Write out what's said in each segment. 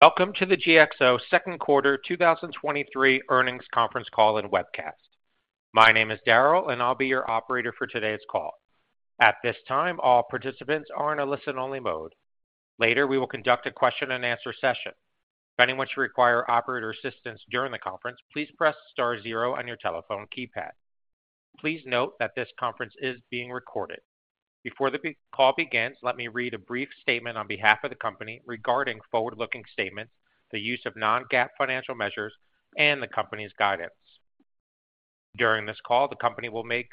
Welcome to the GXO Second Quarter 2023 Earnings Conference Call and Webcast. My name is Daryl, and I'll be your operator for today's call. At this time, all participants are in a listen-only mode. Later, we will conduct a question-and-answer session. If anyone should require operator assistance during the conference, please press star zero on your telephone keypad. Please note that this conference is being recorded. Before the call begins, let me read a brief statement on behalf of the company regarding forward-looking statements, the use of non-GAAP financial measures, and the company's guidance. During this call, the company will make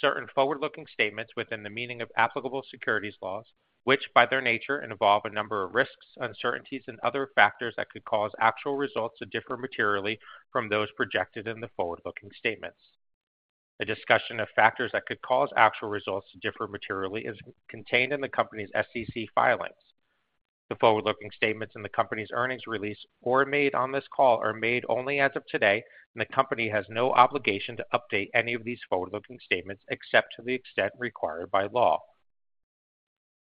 certain forward-looking statements within the meaning of applicable securities laws, which, by their nature, involve a number of risks, uncertainties and other factors that could cause actual results to differ materially from those projected in the forward-looking statements. A discussion of factors that could cause actual results to differ materially is contained in the company's SEC filings. The forward-looking statements in the company's earnings release or made on this call are made only as of today, and the company has no obligation to update any of these forward-looking statements, except to the extent required by law.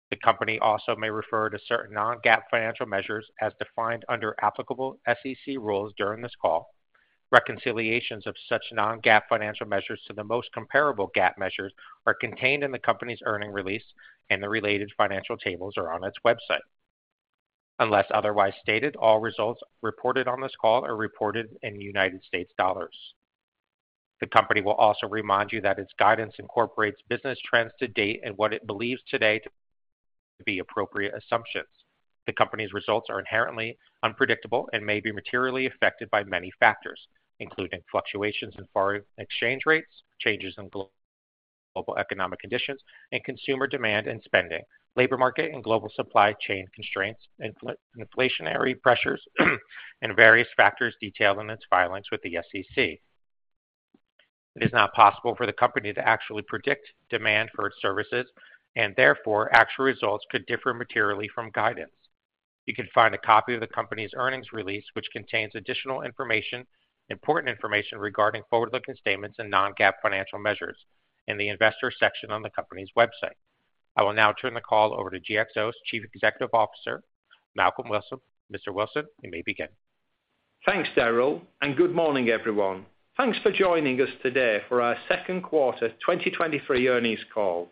The company also may refer to certain non-GAAP financial measures as defined under applicable SEC rules during this call. Reconciliations of such non-GAAP financial measures to the most comparable GAAP measures are contained in the company's earnings release, and the related financial tables are on its website. Unless otherwise stated, all results reported on this call are reported in United States dollars. The company will also remind you that its guidance incorporates business trends to date and what it believes today to be appropriate assumptions. The company's results are inherently unpredictable and may be materially affected by many factors, including fluctuations in foreign exchange rates, changes in global economic conditions, and consumer demand and spending, labor market and global supply chain constraints, inflationary pressures, and various factors detailed in its filings with the SEC. It is not possible for the company to actually predict demand for its services, and therefore, actual results could differ materially from guidance. You can find a copy of the company's earnings release, which contains additional important information regarding forward-looking statements and non-GAAP financial measures in the investor section on the company's website. I will now turn the call over to GXO's Chief Executive Officer, Malcolm Wilson. Mr. Wilson, you may begin. Thanks, Daryl. Good morning, everyone. Thanks for joining us today for our Second Quarter 2023 Earnings Call.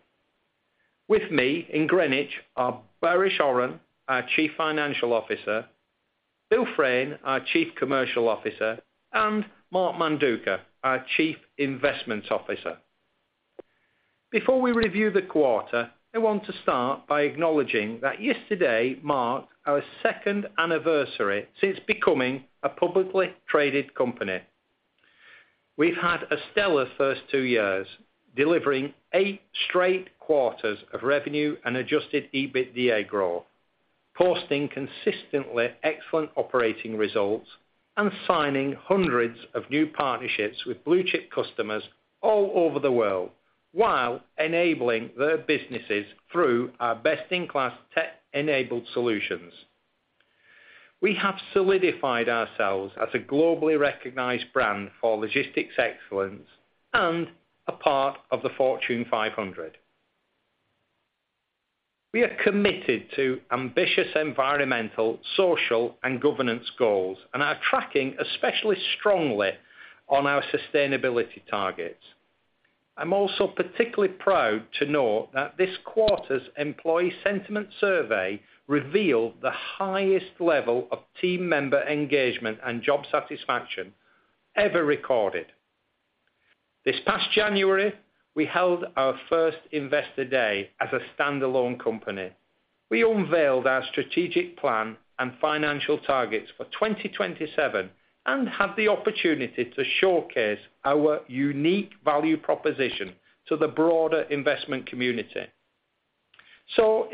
With me in Greenwich are Baris Oran, our Chief Financial Officer, Bill Frain, our Chief Commercial Officer, and Mark Manduca, our Chief Investment Officer. Before we review the quarter, I want to start by acknowledging that yesterday marked our second anniversary since becoming a publicly traded company. We've had a stellar first two years, delivering eight straight quarters of revenue and Adjusted EBITDA growth, posting consistently excellent operating results, and signing hundreds of new partnerships with blue-chip customers all over the world while enabling their businesses through our best-in-class tech-enabled solutions. We have solidified ourselves as a globally recognized brand for logistics excellence and a part of the Fortune 500. We are committed to ambitious environmental, social, and governance goals and are tracking especially strongly on our sustainability targets. I'm also particularly proud to note that this quarter's employee sentiment survey revealed the highest level of team member engagement and job satisfaction ever recorded. This past January, we held our first Investor Day as a standalone company. We unveiled our strategic plan and financial targets for 2027 and had the opportunity to showcase our unique value proposition to the broader investment community.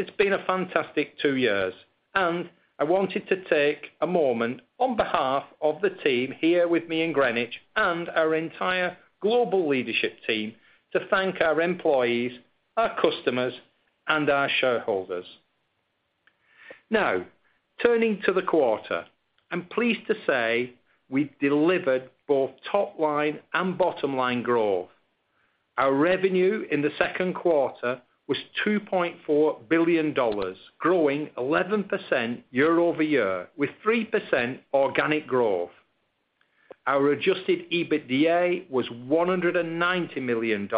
It's been a fantastic two years, and I wanted to take a moment on behalf of the team here with me in Greenwich and our entire global leadership team to thank our employees, our customers, and our shareholders. Turning to the quarter. I'm pleased to say we've delivered both top line and bottom line growth. Our revenue in the second quarter was $2.4 billion, growing 11% year-over-year, with 3% organic growth. Our Adjusted EBITDA was $190 million,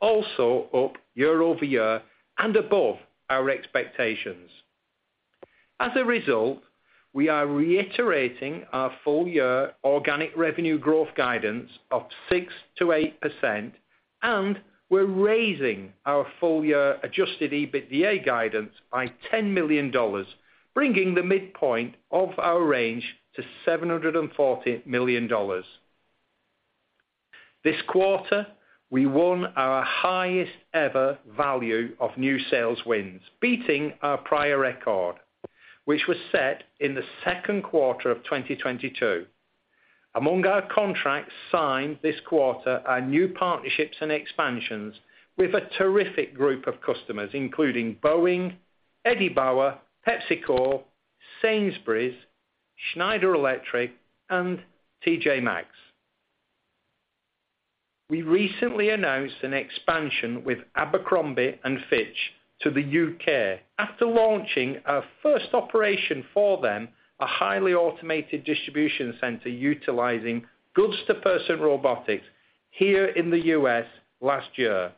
also up year-over-year and above our expectations. As a result, we are reiterating our full year organic revenue growth guidance of 6%-8%, and we're raising our full year Adjusted EBITDA guidance by $10 million, bringing the midpoint of our range to $740 million. This quarter, we won our highest ever value of new sales wins, beating our prior record, which was set in the second quarter of 2022. Among our contracts signed this quarter are new partnerships and expansions with a terrific group of customers, including Boeing, Eddie Bauer, PepsiCo, Sainsbury's, Schneider Electric, and T.J. Maxx. We recently announced an expansion with Abercrombie & Fitch to the U.K. after launching our first operation for them, a highly automated distribution center utilizing goods-to-person robotics here in the U.S. last year.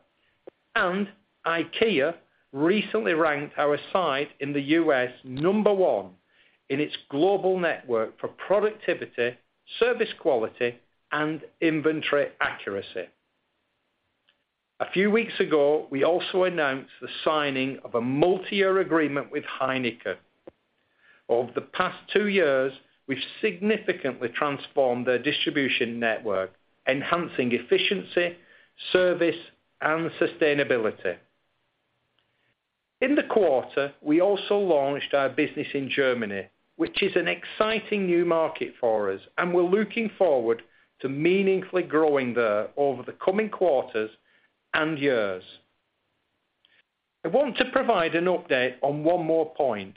IKEA recently ranked our site in the US number 1 in its global network for productivity, service quality, and inventory accuracy. A few weeks ago, we also announced the signing of a multi-year agreement with Heineken. Over the past 2 years, we've significantly transformed their distribution network, enhancing efficiency, service, and sustainability. In the quarter, we also launched our business in Germany, which is an exciting new market for us, and we're looking forward to meaningfully growing there over the coming quarters and years. I want to provide an update on 1 more point.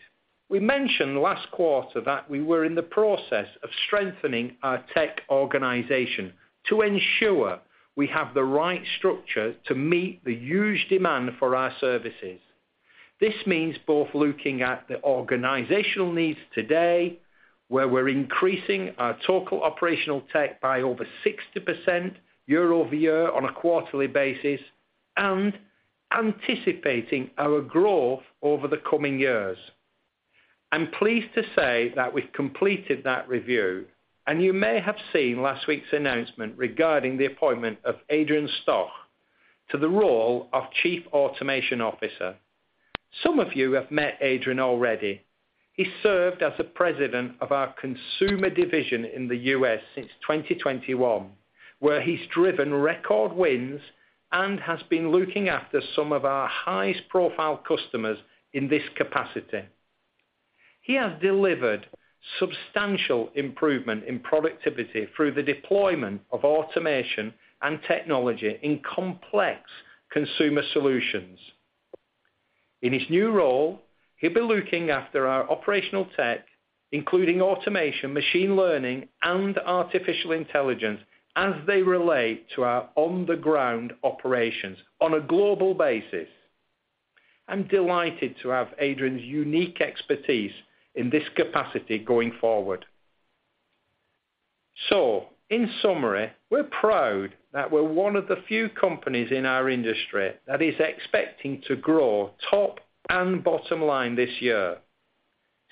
We mentioned last quarter that we were in the process of strengthening our tech organization to ensure we have the right structure to meet the huge demand for our services. This means both looking at the organizational needs today, where we're increasing our total operational tech by over 60% year-over-year on a quarterly basis, and anticipating our growth over the coming years. I'm pleased to say that we've completed that review, you may have seen last week's announcement regarding the appointment of Adrian Stoch to the role of Chief Automation Officer. Some of you have met Adrian already. He served as the president of our consumer division in the U.S. since 2021, where he's driven record wins and has been looking after some of our highest-profile customers in this capacity. He has delivered substantial improvement in productivity through the deployment of automation and technology in complex consumer solutions. In his new role, he'll be looking after our operational tech, including automation, machine learning, and artificial intelligence, as they relate to our on-the-ground operations on a global basis. I'm delighted to have Adrian's unique expertise in this capacity going forward. In summary, we're proud that we're one of the few companies in our industry that is expecting to grow top and bottom line this year.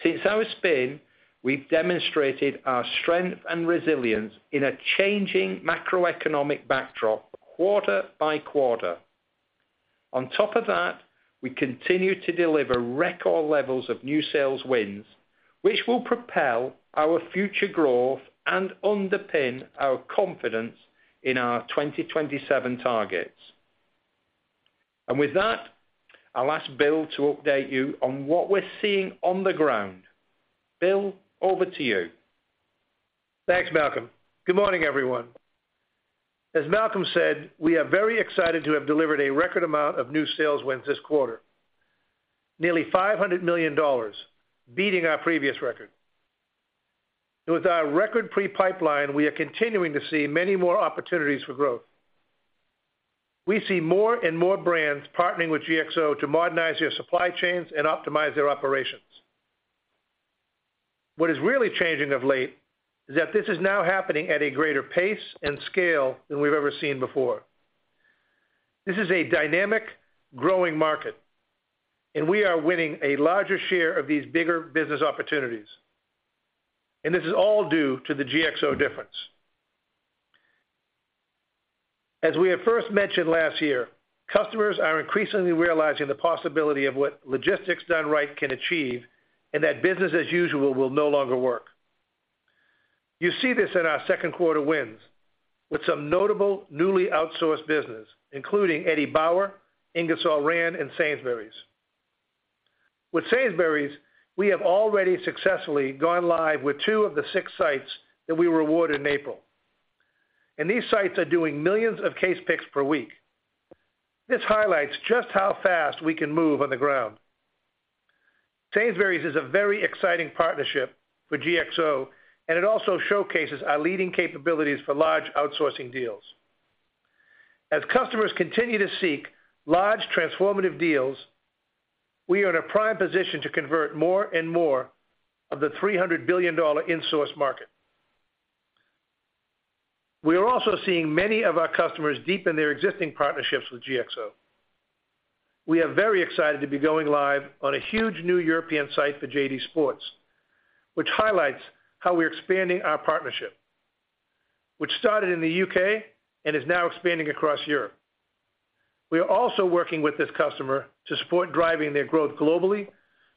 Since our spin, we've demonstrated our strength and resilience in a changing macroeconomic backdrop quarter by quarter. On top of that, we continue to deliver record levels of new sales wins, which will propel our future growth and underpin our confidence in our 2027 targets. With that, I'll ask Bill to update you on what we're seeing on the ground. Bill, over to you. Thanks, Malcolm. Good morning, everyone. As Malcolm said, we are very excited to have delivered a record amount of new sales wins this quarter, nearly $500 million, beating our previous record. With our record pre-pipeline, we are continuing to see many more opportunities for growth. We see more and more brands partnering with GXO to modernize their supply chains and optimize their operations. What is really changing of late is that this is now happening at a greater pace and scale than we've ever seen before. This is a dynamic, growing market, and we are winning a larger share of these bigger business opportunities, and this is all due to the GXO difference. As we had first mentioned last year, customers are increasingly realizing the possibility of what logistics done right can achieve, and that business as usual will no longer work. You see this in our second quarter wins with some notable newly outsourced business, including Eddie Bauer, Ingersoll Rand, and Sainsbury's. With Sainsbury's, we have already successfully gone live with 2 of the 6 sites that we were awarded in April. These sites are doing millions of case picks per week. This highlights just how fast we can move on the ground. Sainsbury's is a very exciting partnership for GXO. It also showcases our leading capabilities for large outsourcing deals. As customers continue to seek large, transformative deals, we are in a prime position to convert more and more of the $300 billion Insourced market. We are also seeing many of our customers deepen their existing partnerships with GXO. We are very excited to be going live on a huge new European site for JD Sports, which highlights how we're expanding our partnership, which started in the UK and is now expanding across Europe. We are also working with this customer to support driving their growth globally,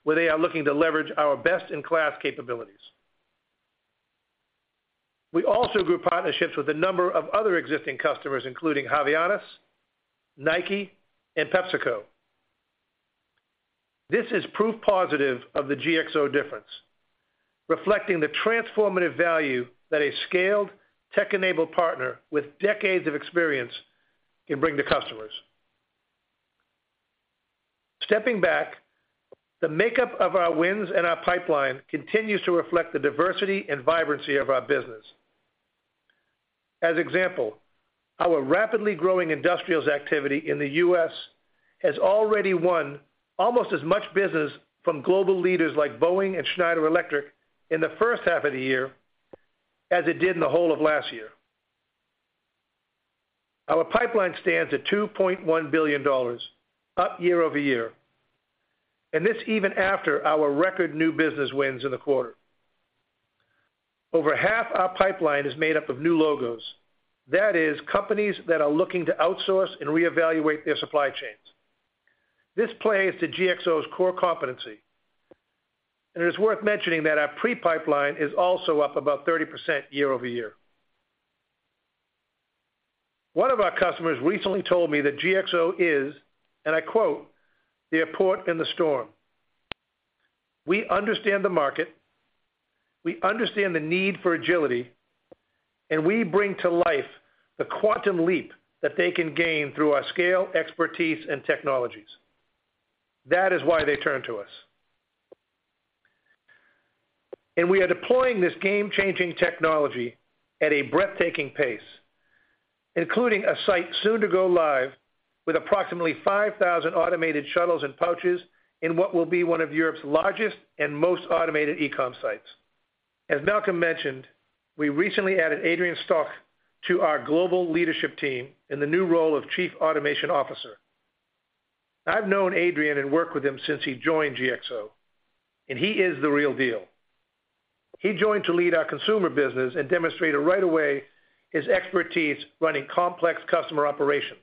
where they are looking to leverage our best-in-class capabilities. We also grew partnerships with a number of other existing customers, including Havaianas, Nike, and PepsiCo. This is proof positive of the GXO difference, reflecting the transformative value that a scaled, tech-enabled partner with decades of experience can bring to customers. Stepping back, the makeup of our wins and our pipeline continues to reflect the diversity and vibrancy of our business. As example, our rapidly growing industrials activity in the U.S. has already won almost as much business from global leaders like Boeing and Schneider Electric in the first half of the year as it did in the whole of last year. Our pipeline stands at $2.1 billion, up year-over-year. This even after our record new business wins in the quarter. Over half our pipeline is made up of new logos. That is, companies that are looking to outsource and reevaluate their supply chains. This plays to GXO's core competency. It is worth mentioning that our pre-pipeline is also up about 30% year-over-year. One of our customers recently told me that GXO is, and I quote, "Their port in the storm." We understand the market, we understand the need for agility, and we bring to life the quantum leap that they can gain through our scale, expertise, and technologies. That is why they turn to us. We are deploying this game-changing technology at a breathtaking pace, including a site soon to go live with approximately 5,000 automated shuttles and pouches in what will be one of Europe's largest and most automated e-com sites. As Malcolm mentioned, we recently added Adrian Stoch to our global leadership team in the new role of Chief Automation Officer. I've known Adrian and worked with him since he joined GXO, and he is the real deal. He joined to lead our consumer business and demonstrated right away his expertise running complex customer operations.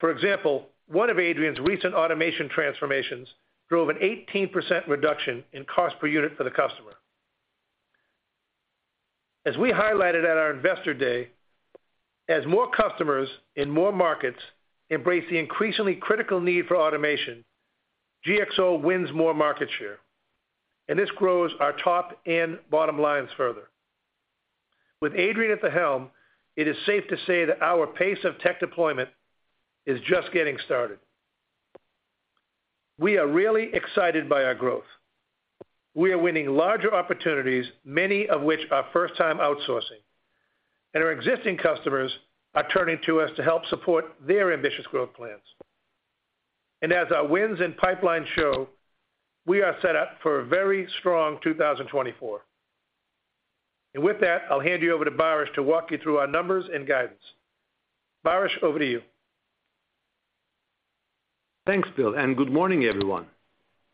For example, one of Adrian's recent automation transformations drove an 18% reduction in cost per unit for the customer. As we highlighted at our Investor Day, as more customers in more markets embrace the increasingly critical need for automation, GXO wins more market share, and this grows our top and bottom lines further. With Adrian at the helm, it is safe to say that our pace of tech deployment is just getting started. We are really excited by our growth. We are winning larger opportunities, many of which are first-time outsourcing, and our existing customers are turning to us to help support their ambitious growth plans. As our wins and pipeline show, we are set up for a very strong 2024. With that, I'll hand you over to Baris to walk you through our numbers and guidance. Baris, over to you. Thanks, Bill. Good morning, everyone.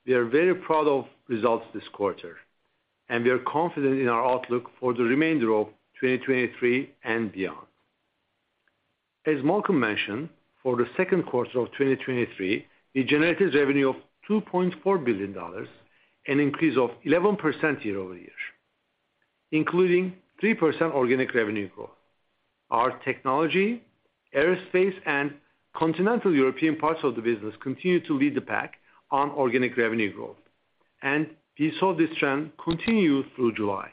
We are very proud of results this quarter, and we are confident in our outlook for the remainder of 2023 and beyond. As Malcolm mentioned, for the second quarter of 2023, we generated revenue of $2.4 billion, an increase of 11% year-over-year, including 3% organic revenue growth. Our technology, aerospace, and continental European parts of the business continue to lead the pack on organic revenue growth, and we saw this trend continue through July.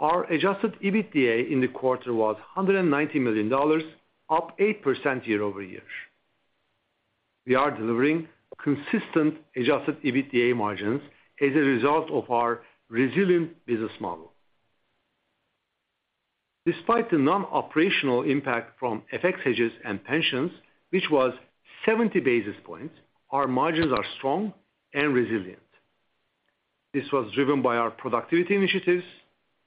Our Adjusted EBITDA in the quarter was $190 million, up 8% year-over-year. We are delivering consistent Adjusted EBITDA margins as a result of our resilient business model. Despite the non-operational impact from FX hedges and pensions, which was 70 basis points, our margins are strong and resilient. This was driven by our productivity initiatives,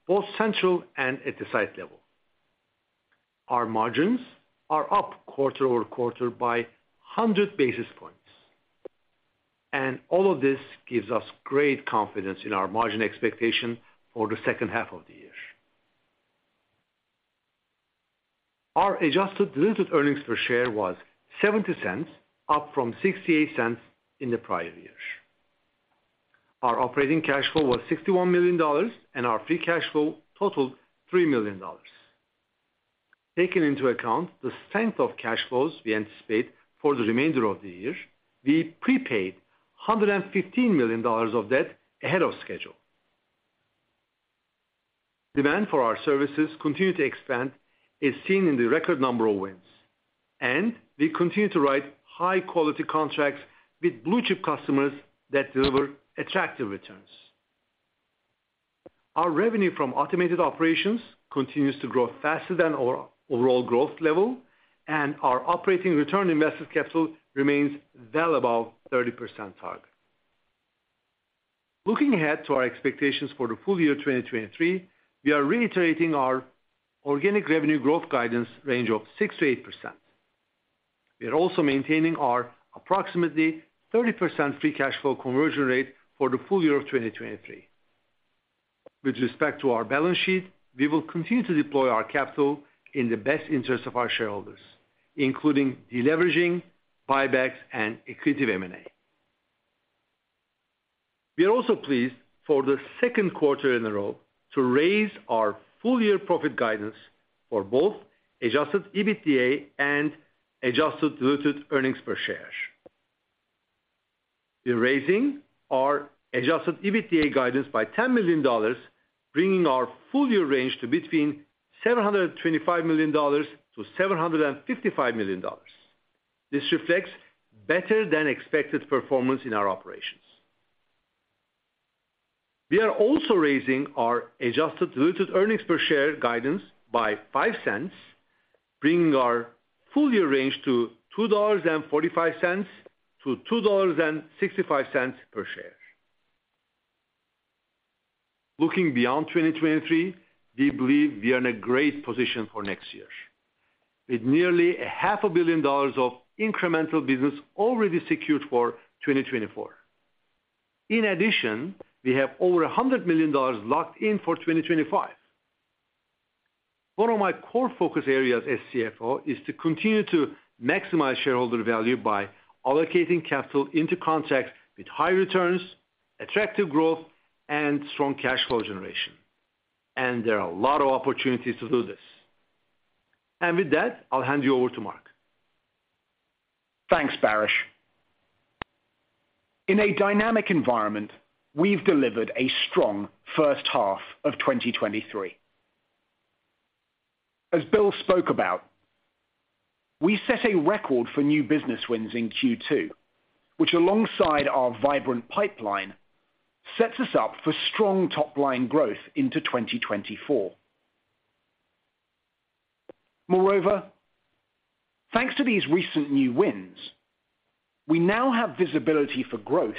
both central and at the site level. Our margins are up quarter-over-quarter by 100 basis points, and all of this gives us great confidence in our margin expectation for the second half of the year. Our adjusted diluted earnings per share was $0.70, up from $0.68 in the prior years. Our operating cash flow was $61 million, and our free cash flow totaled $3 million. Taking into account the strength of cash flows we anticipate for the remainder of the year, we prepaid $115 million of debt ahead of schedule. Demand for our services continue to expand, as seen in the record number of wins, and we continue to write high quality contracts with blue-chip customers that deliver attractive returns. Our revenue from automated operations continues to grow faster than our overall growth level, and our operating return on invested capital remains well above 30% target. Looking ahead to our expectations for the full year 2023, we are reiterating our organic revenue growth guidance range of 6%-8%. We are also maintaining our approximately 30% free cash flow conversion rate for the full year of 2023. With respect to our balance sheet, we will continue to deploy our capital in the best interest of our shareholders, including deleveraging, buybacks, and accretive M&A. We are also pleased, for the second quarter in a row, to raise our full-year profit guidance for both Adjusted EBITDA and adjusted diluted earnings per share. We're raising our Adjusted EBITDA guidance by $10 million, bringing our full year range to between $725 million to $755 million. This reflects better than expected performance in our operations. We are also raising our adjusted diluted earnings per share guidance by $0.05, bringing our full year range to $2.45-$2.65 per share. Looking beyond 2023, we believe we are in a great position for next year, with nearly $500 million of incremental business already secured for 2024. In addition, we have over $100 million locked in for 2025. One of my core focus areas as CFO is to continue to maximize shareholder value by allocating capital into contracts with high returns, attractive growth, and strong cash flow generation, and there are a lot of opportunities to do this. With that, I'll hand you over to Mark. Thanks, Baris. In a dynamic environment, we've delivered a strong first half of 2023. As Bill spoke about, we set a record for new business wins in Q2, which alongside our vibrant pipeline, sets us up for strong top-line growth into 2024. Moreover, thanks to these recent new wins, we now have visibility for growth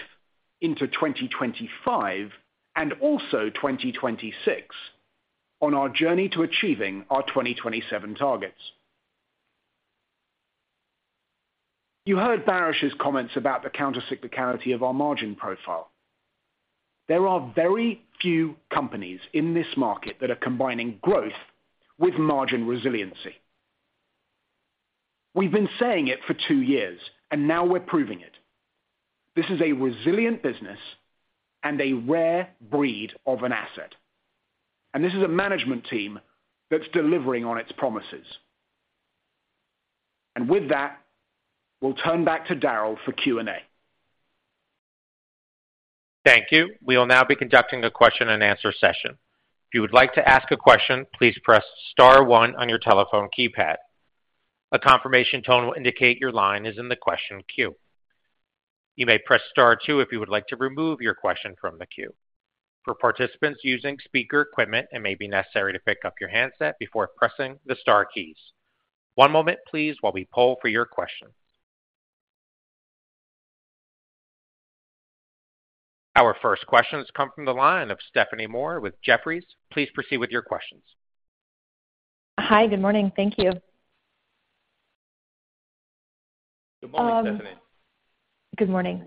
into 2025 and also 2026 on our journey to achieving our 2027 targets. You heard Baris's comments about the countercyclicality of our margin profile. There are very few companies in this market that are combining growth with margin resiliency. We've been saying it for two years, and now we're proving it. This is a resilient business and a rare breed of an asset, and this is a management team that's delivering on its promises. With that, we'll turn back to Daryl for Q&A. Thank you. We will now be conducting a question-and-answer session. If you would like to ask a question, please press star one on your telephone keypad. A confirmation tone will indicate your line is in the question queue. You may press Star two if you would like to remove your question from the queue. For participants using speaker equipment, it may be necessary to pick up your handset before pressing the star keys. One moment, please, while we poll for your questions. Our first question has come from the line of Stephanie Moore with Jefferies. Please proceed with your questions. Hi, good morning. Thank you. Good morning, Stephanie. Good morning.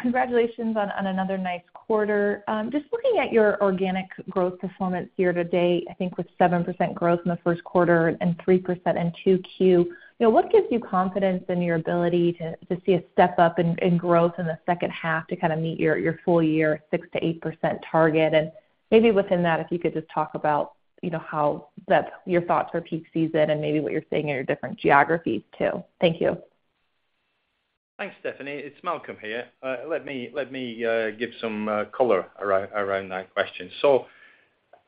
Congratulations on another nice quarter. Just looking at your organic growth performance year to date, I think with 7% growth in the 1st quarter and 3% in Q2, you know, what gives you confidence in your ability to see a step up in growth in the second half to kind of meet your full year 6%-8% target? Maybe within that, if you could just talk about, you know, your thoughts for peak season and maybe what you're seeing in your different geographies, too? Thank you. Thanks, Stephanie. It's Malcolm here. Let me, let me give some color around, around that question.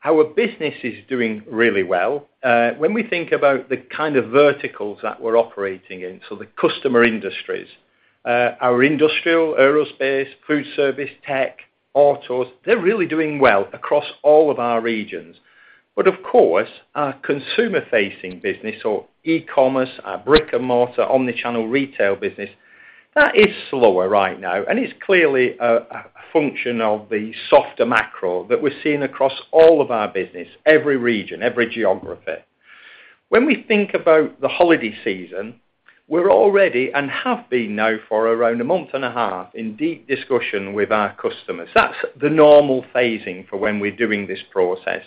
Our business is doing really well. When we think about the kind of verticals that we're operating in, so the customer industries, our industrial, aerospace, food service, tech, autos, they're really doing well across all of our regions. Of course, our consumer-facing business or e-commerce, our brick-and-mortar, omnichannel retail business, that is slower right now, and it's clearly a function of the softer macro that we're seeing across all of our business, every region, every geography. When we think about the holiday season, we're already and have been now for around a month and a half, in deep discussion with our customers. That's the normal phasing for when we're doing this process.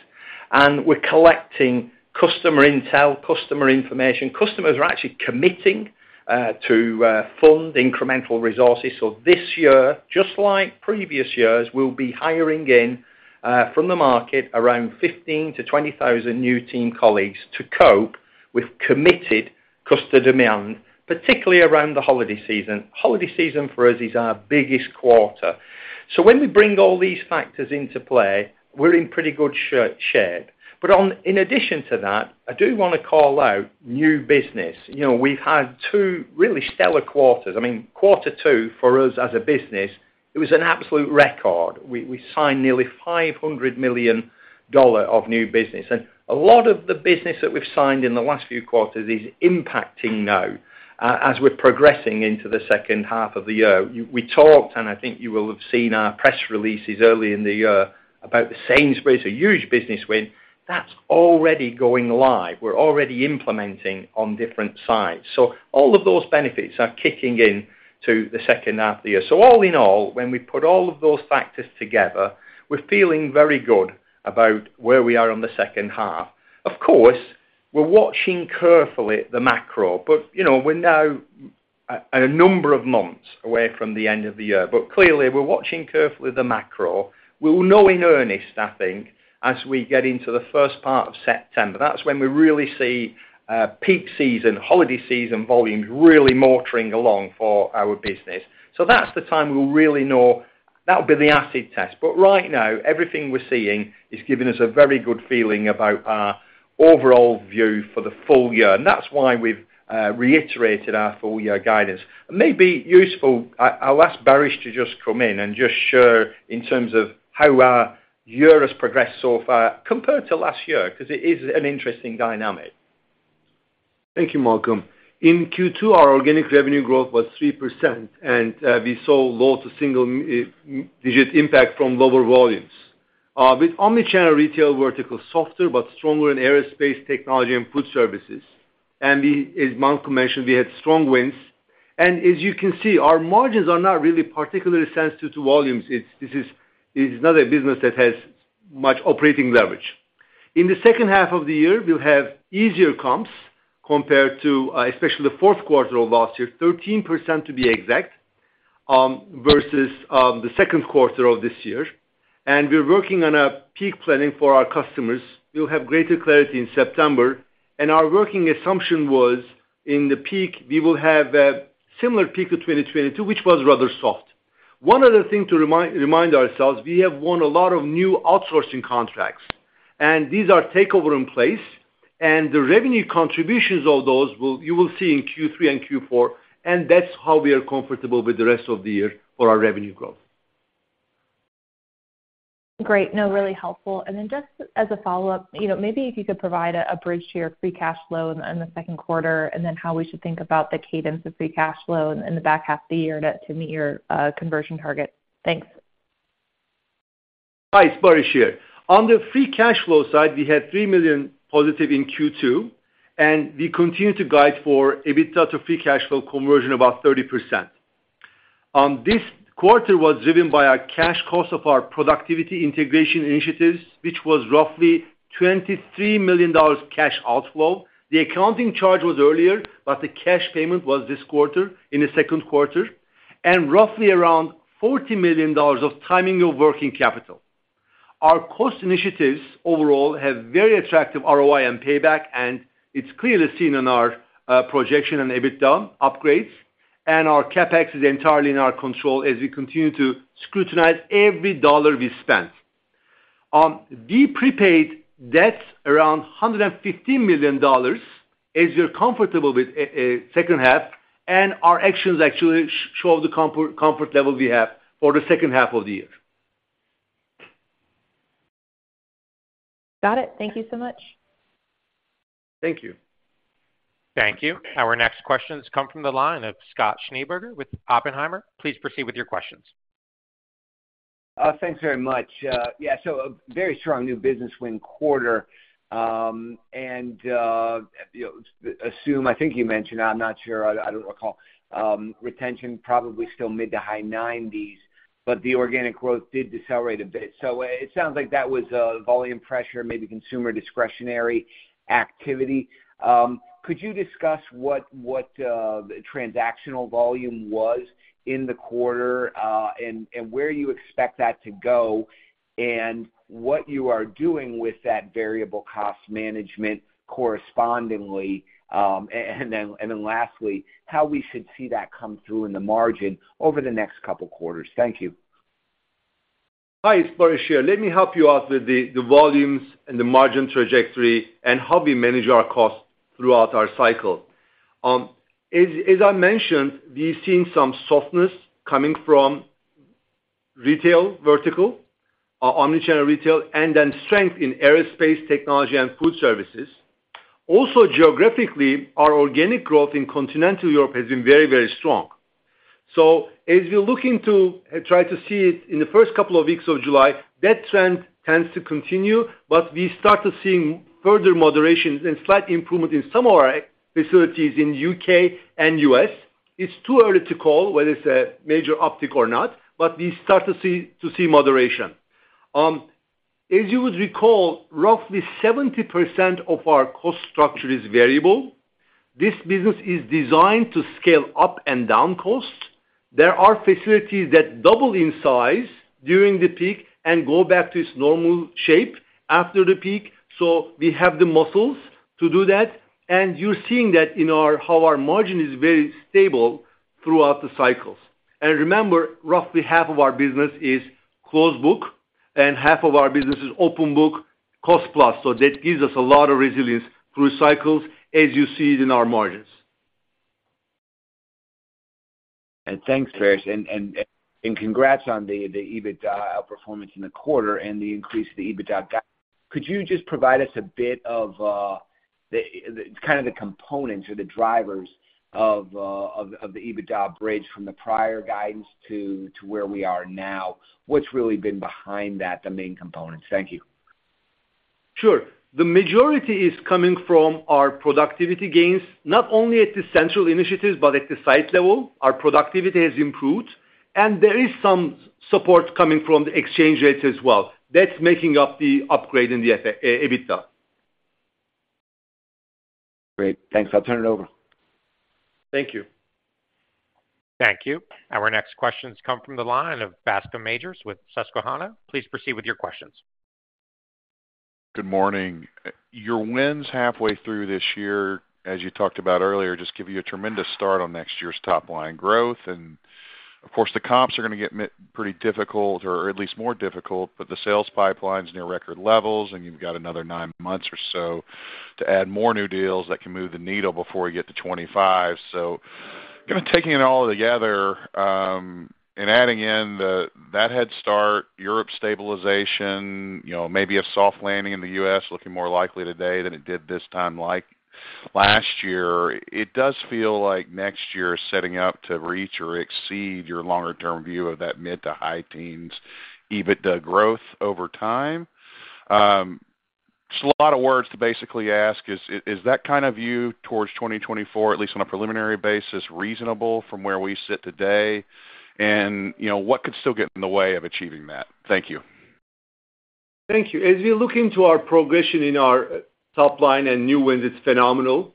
We're collecting customer intel, customer information. Customers are actually committing to fund incremental resources. This year, just like previous years, we'll be hiring in from the market around 15,000-20,000 new team colleagues to cope with committed customer demand, particularly around the holiday season. Holiday season for us is our biggest quarter. When we bring all these factors into play, we're in pretty good shape. In addition to that, I do want to call out new business. You know, we've had two really stellar quarters. I mean Q2, for us as a business, it was an absolute record. We, we signed nearly $500 million of new business, and a lot of the business that we've signed in the last few quarters is impacting now as we're progressing into the second half of the year. We, we talked, and I think you will have seen our press releases early in the year about the Sainsbury, a huge business win that's already going live. We're already implementing on different sides. All of those benefits are kicking in to the second half of the year. All in all, when we put all of those factors together, we're feeling very good about where we are on the second half. Of course, we're watching carefully the macro, but, you know, we're now a, a number of months away from the end of the year. Clearly, we're watching carefully the macro. We will know in earnest, I think, as we get into the first part of September. That's when we really see peak season, holiday season volumes really motoring along for our business. That's the time we'll really know. That'll be the acid test. Right now, everything we're seeing is giving us a very good feeling about our overall view for the full year, and that's why we've reiterated our full year guidance. It may be useful, I, I will ask Baris to just come in and just share in terms of how our year has progressed so far compared to last year, because it is an interesting dynamic. Thank you, Malcolm. In Q2, our organic revenue growth was 3%, we saw low to single digit impact from lower volumes. With omnichannel retail vertical, softer, stronger in aerospace, technology and food services. We, as Malcolm mentioned, we had strong wins. As you can see, our margins are not really particularly sensitive to volumes. This is not a business that has much operating leverage. In the second half of the year, we'll have easier comps compared to, especially the fourth quarter of 2023, 13%, to be exact, versus the second quarter of 2024. We're working on a peak planning for our customers. We'll have greater clarity in September. Our working assumption was, in the peak, we will have a similar peak to 2022, which was rather soft. One other thing to remind, remind ourselves, we have won a lot of new outsourcing contracts, and these are takeover in place, and the revenue contributions of those you will see in Q3 and Q4, and that's how we are comfortable with the rest of the year for our revenue growth. Great. No, really helpful. Then just as a follow-up, you know, maybe if you could provide a, a bridge to your free cash flow in, in the second quarter, and then how we should think about the cadence of free cash flow in the back half of the year to, to meet your conversion target? Thanks. Hi, it's Baris here. On the free cash flow side, we had $3 million positive in Q2, and we continue to guide for EBITDA to free cash flow conversion, about 30%. This quarter was driven by our cash cost of our productivity integration initiatives, which was roughly $23 million cash outflow. The accounting charge was earlier, but the cash payment was this quarter, in the second quarter, and roughly around $40 million of timing of working capital. Our cost initiatives overall have very attractive ROI and payback, and it's clearly seen in our projection and EBITDA upgrades, and our CapEx is entirely in our control as we continue to scrutinize every dollar we spend. We prepaid debt around $150 million as we're comfortable with a second half, and our actions actually show the comfort level we have for the second half of the year. Got it. Thank you so much. Thank you. Thank you. Our next questions come from the line of Scott Schneeberger with Oppenheimer. Please proceed with your questions. Yeah, so a very strong new business win quarter, and, you know, I think you mentioned, I'm not sure, I don't recall, retention, probably still mid to high 90s, but the organic growth did decelerate a bit. So it sounds like that was volume pressure, maybe consumer discretionary activity. Could you discuss what the transactional volume was in the quarter, and where you expect that to go, and what you are doing with that variable cost management correspondingly? And then lastly, how we should see that come through in the margin over the next couple of quarters? Thank you Hi, it's Baris here. Let me help you out with the volumes and the margin trajectory and how we manage our costs throughout our cycle. As I mentioned, we've seen some softness coming from retail vertical, omnichannel retail, and then strength in aerospace, technology and food services. Also, geographically, our organic growth in continental Europe has been very, very strong. As you're looking to try to see it in the first couple of weeks of July, that trend tends to continue, but we start to seeing further moderation and slight improvement in some of our facilities in UK and US. It's too early to call whether it's a major uptick or not, but we start to see moderation. As you would recall, roughly 70% of our cost structure is variable. This business is designed to scale up and down costs. There are facilities that double in size during the peak and go back to its normal shape after the peak. We have the muscles to do that, and you're seeing that in our—how our margin is very stable throughout the cycles. Remember, roughly half of our business is closed book, and half of our business is open book, cost plus. That gives us a lot of resilience through cycles, as you see it in our margins. Thanks, Baris, and congrats on the EBITDA outperformance in the quarter and the increase in the EBITDA guide. Could you just provide us a bit of the kind of the components or the drivers of the EBITDA bridge from the prior guidance to where we are now? What's really been behind that, the main components? Thank you. Sure. The majority is coming from our productivity gains, not only at the central initiatives, but at the site level. Our productivity has improved, there is some support coming from the exchange rates as well. That's making up the upgrade in the EBITDA. Great. Thanks. I'll turn it over. Thank you. Thank you. Our next questions come from the line of Bascome Majors with Susquehanna. Please proceed with your questions. Good morning. Your wins halfway through this year, as you talked about earlier, just give you a tremendous start on next year's top line growth. Of course, the comps are gonna get pretty difficult or at least more difficult, but the sales pipeline's near record levels. You've got another 9 months or so to add more new deals that can move the needle before we get to 2025. Taking it all together, adding in the, that head start, Europe stabilization, you know, maybe a soft landing in the US, looking more likely today than it did this time, like last year, it does feel like next year is setting up to reach or exceed your longer term view of that mid to high teens, EBITDA growth over time. A lot of words to basically ask, is, is that kind of view towards 2024, at least on a preliminary basis, reasonable from where we sit today? You know, what could still get in the way of achieving that? Thank you. Thank you. As we look into our progression in our top line and new wins, it's phenomenal.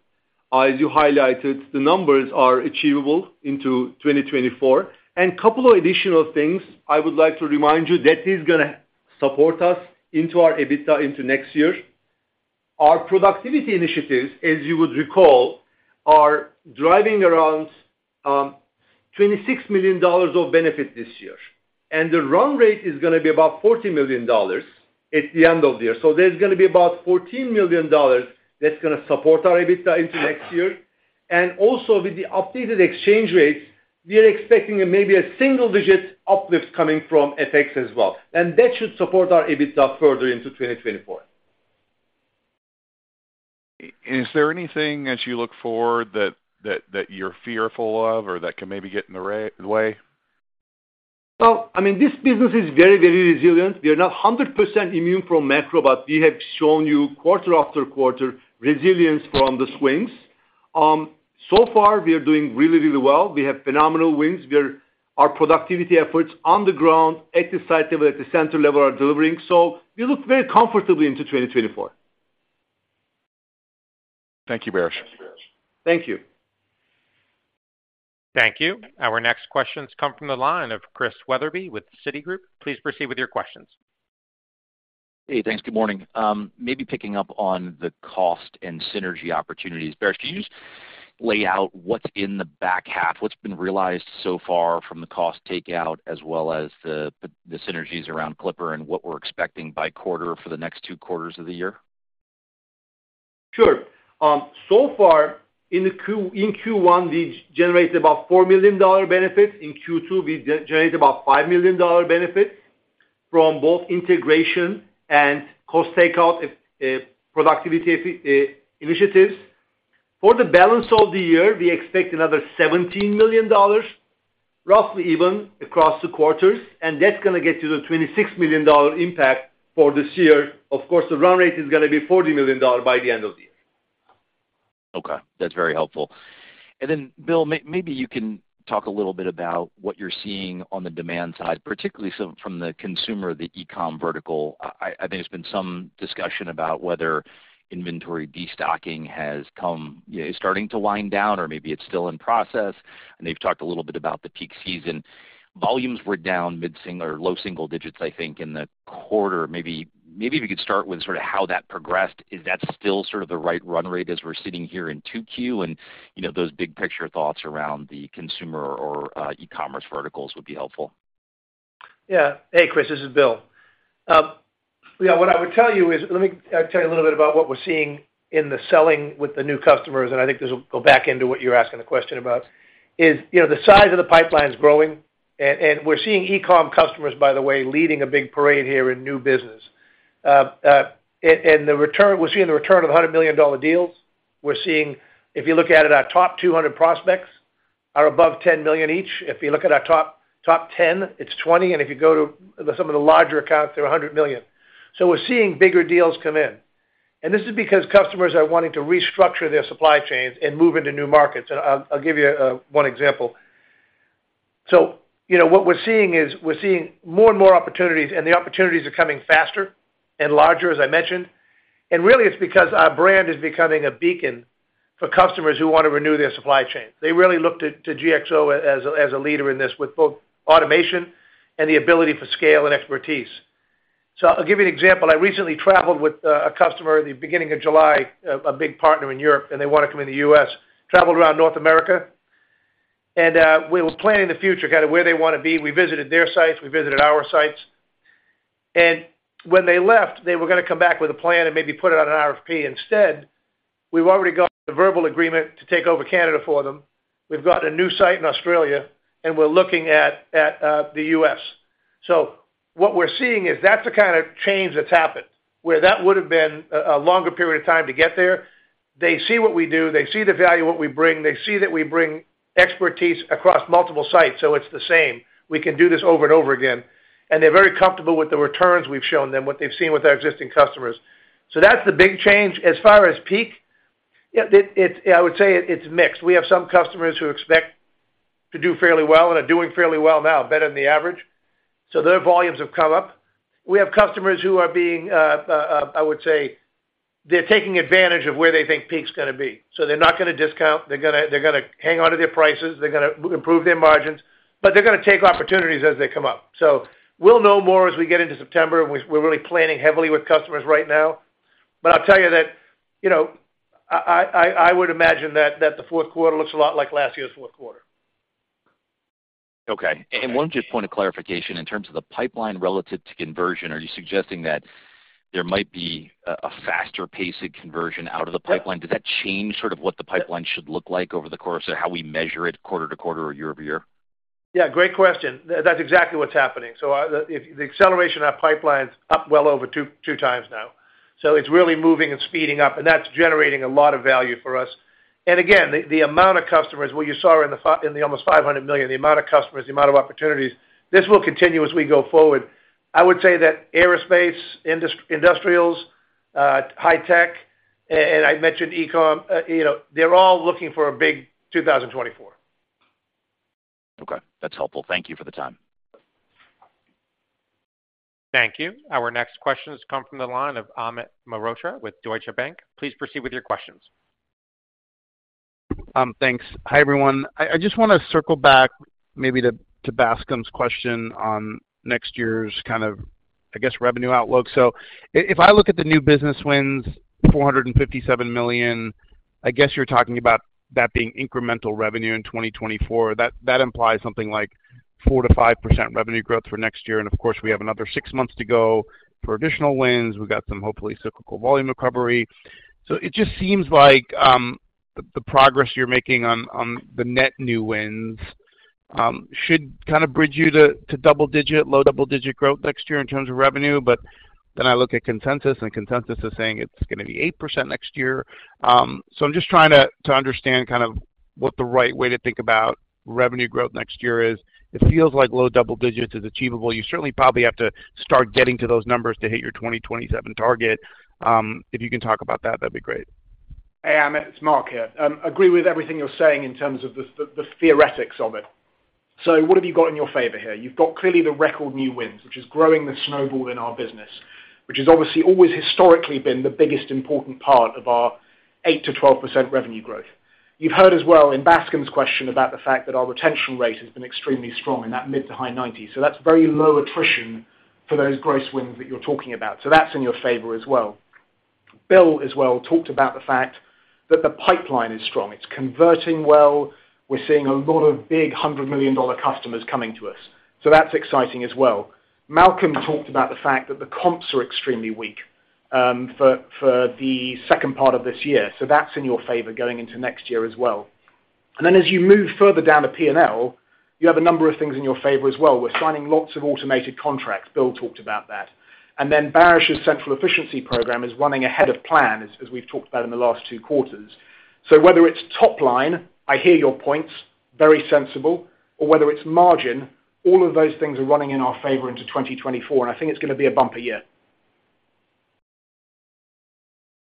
As you highlighted, the numbers are achievable into 2024. Couple of additional things I would like to remind you, that is gonna support us into our EBITDA into next year. Our productivity initiatives, as you would recall, are driving around $26 million of benefit this year, and the run rate is gonna be about $40 million at the end of the year. There's gonna be about $14 million that's gonna support our EBITDA into next year. Also, with the updated exchange rates, we are expecting maybe a single-digit uplift coming from FX as well, and that should support our EBITDA further into 2024. Is there anything as you look forward, that, that, that you're fearful of or that can maybe get in the way? Well, I mean, this business is very, very resilient. We are not 100% immune from macro, but we have shown you quarter after quarter, resilience from the swings. So far, we are doing really, really well. We have phenomenal wins. Our productivity efforts on the ground, at the site level, at the center level, are delivering, so we look very comfortably into 2024. Thank you, Baris. Thank you. Thank you. Our next questions come from the line of Chris Wetherbee with Citigroup. Please proceed with your questions. Hey, thanks. Good morning. Maybe picking up on the cost and synergy opportunities. Baris, can you just lay out what's in the back half? What's been realized so far from the cost takeout, as well as the, the synergies around Clipper and what we're expecting by quarter for the next two quarters of the year? Sure. So far in Q1, we generated about $4 million benefits. In Q2, we generated about $5 million benefits from both integration and cost takeout, productivity initiatives. For the balance of the year, we expect another $17 million, roughly even across the quarters, and that's gonna get to the $26 million impact for this year. Of course, the run rate is gonna be $40 million by the end of the year. Okay, that's very helpful. Then, Bill, maybe you can talk a little bit about what you're seeing on the demand side, particularly from, from the consumer, the e-com vertical. I think there's been some discussion about whether inventory destocking has come. Is starting to wind down, or maybe it's still in process, and you've talked a little bit about the peak season. Volumes were down mid single or low single digits, I think, in the quarter. Maybe, maybe if you could start with sort of how that progressed. Is that still sort of the right run rate as we're sitting here in 2Q? You know, those big picture thoughts around the consumer or e-commerce verticals would be helpful. Yeah. Hey, Chris, this is Bill. What I would tell you is. Let me tell you a little bit about what we're seeing in the selling with the new customers, and I think this will go back into what you're asking the question about, is, you know, the size of the pipeline is growing, and, and we're seeing e-com customers, by the way, leading a big parade here in new business. The return- we're seeing the return of $100 million deals. We're seeing, if you look at it, our top 200 prospects are above $10 million each. If you look at our top, top 10, it's $20 million, and if you go to some of the larger accounts, they're $100 million. We're seeing bigger deals come in, and this is because customers are wanting to restructure their supply chains and move into new markets. I'll, I'll give you one example. You know, what we're seeing is, we're seeing more and more opportunities, and the opportunities are coming faster and larger, as I mentioned. Really, it's because our brand is becoming a beacon for customers who want to renew their supply chain. They really look to, to GXO as a, as a leader in this, with both automation and the ability for scale and expertise. I'll give you an example: I recently traveled with a, a customer at the beginning of July, a, a big partner in Europe, and they want to come in the US. Traveled around North America, we were planning the future, kind of where they want to be. We visited their sites, we visited our sites. When they left, they were gonna come back with a plan and maybe put it on an RFP. Instead, we've already got a verbal agreement to take over Canada for them. We've got a new site in Australia, and we're looking at, at the US. What we're seeing is that's the kind of change that's happened, where that would've been a, a longer period of time to get there. They see what we do, they see the value of what we bring, they see that we bring expertise across multiple sites, so it's the same. We can do this over and over again. They're very comfortable with the returns we've shown them, what they've seen with our existing customers. That's the big change. As far as peak, yeah, it, it, I would say it's mixed. We have some customers who expect to do fairly well and are doing fairly well now, better than the average. Their volumes have come up. We have customers who are being. They're taking advantage of where they think peak's gonna be. They're not gonna discount, they're gonna, they're gonna hang onto their prices, they're gonna improve their margins, but they're gonna take opportunities as they come up. We'll know more as we get into September. We're, we're really planning heavily with customers right now. I'll tell you that, you know, I, I, I would imagine that, that the fourth quarter looks a lot like last year's fourth quarter. Okay. One just point of clarification, in terms of the pipeline relative to conversion, are you suggesting that there might be a faster pacing conversion out of the pipeline? Does that change sort of what the pipeline should look like over the course of how we measure it quarter to quarter or year-over-year? Yeah, great question. That's exactly what's happening. If the acceleration of our pipeline's up well over 2 times now, so it's really moving and speeding up, and that's generating a lot of value for us. Again, the, the amount of customers, what you saw in the in the almost $500 million, the amount of customers, the amount of opportunities, this will continue as we go forward. I would say that aerospace, industrials, high tech, and I mentioned e-com, you know, they're all looking for a big 2024. Okay. That's helpful. Thank you for the time. Thank you. Our next question has come from the line of Amit Mehrotra with Deutsche Bank. Please proceed with your questions. Thanks. Hi, everyone. I, I just wanna circle back maybe to, to Bascom's question on next year's kind of, I guess, revenue outlook. If, if I look at the new business wins, $457 million, I guess you're talking about that being incremental revenue in 2024. That, that implies something like 4%-5% revenue growth for next year, and of course, we have another six months to go for additional wins. We've got some, hopefully, cyclical volume recovery. It just seems like the progress you're making on, on the net new wins, should kind of bridge you to, to double digit-- low double-digit growth next year in terms of revenue. Then I look at consensus, and consensus is saying it's gonna be 8% next year. I'm just trying to, to understand kind of what the right way to think about revenue growth next year is. It feels like low double digits is achievable. You certainly probably have to start getting to those numbers to hit your 2027 target. If you can talk about that, that'd be great. Hey, Amit, it's Mark here. Agree with everything you're saying in terms of the theoretics of it. What have you got in your favor here? You've got clearly the record new wins, which is growing the snowball in our business, which has obviously always historically been the biggest important part of our 8%-12% revenue growth. You've heard as well in Bascom's question about the fact that our retention rate has been extremely strong in that mid-to-high 90s. That's very low attrition for those gross wins that you're talking about. That's in your favor as well. Bill, as well, talked about the fact that the pipeline is strong. It's converting well. We're seeing a lot of big $100 million customers coming to us, so that's exciting as well. Malcolm talked about the fact that the comps are extremely weak, for the second part of this year, so that's in your favor going into next year as well. Then as you move further down the P&L, you have a number of things in your favor as well. We're signing lots of automated contracts. Bill talked about that. Then Baris' Central Efficiency Program is running ahead of plan, as we've talked about in the last 2 quarters. Whether it's top line, I hear your points, very sensible, or whether it's margin, all of those things are running in our favor into 2024, and I think it's gonna be a bumpy year.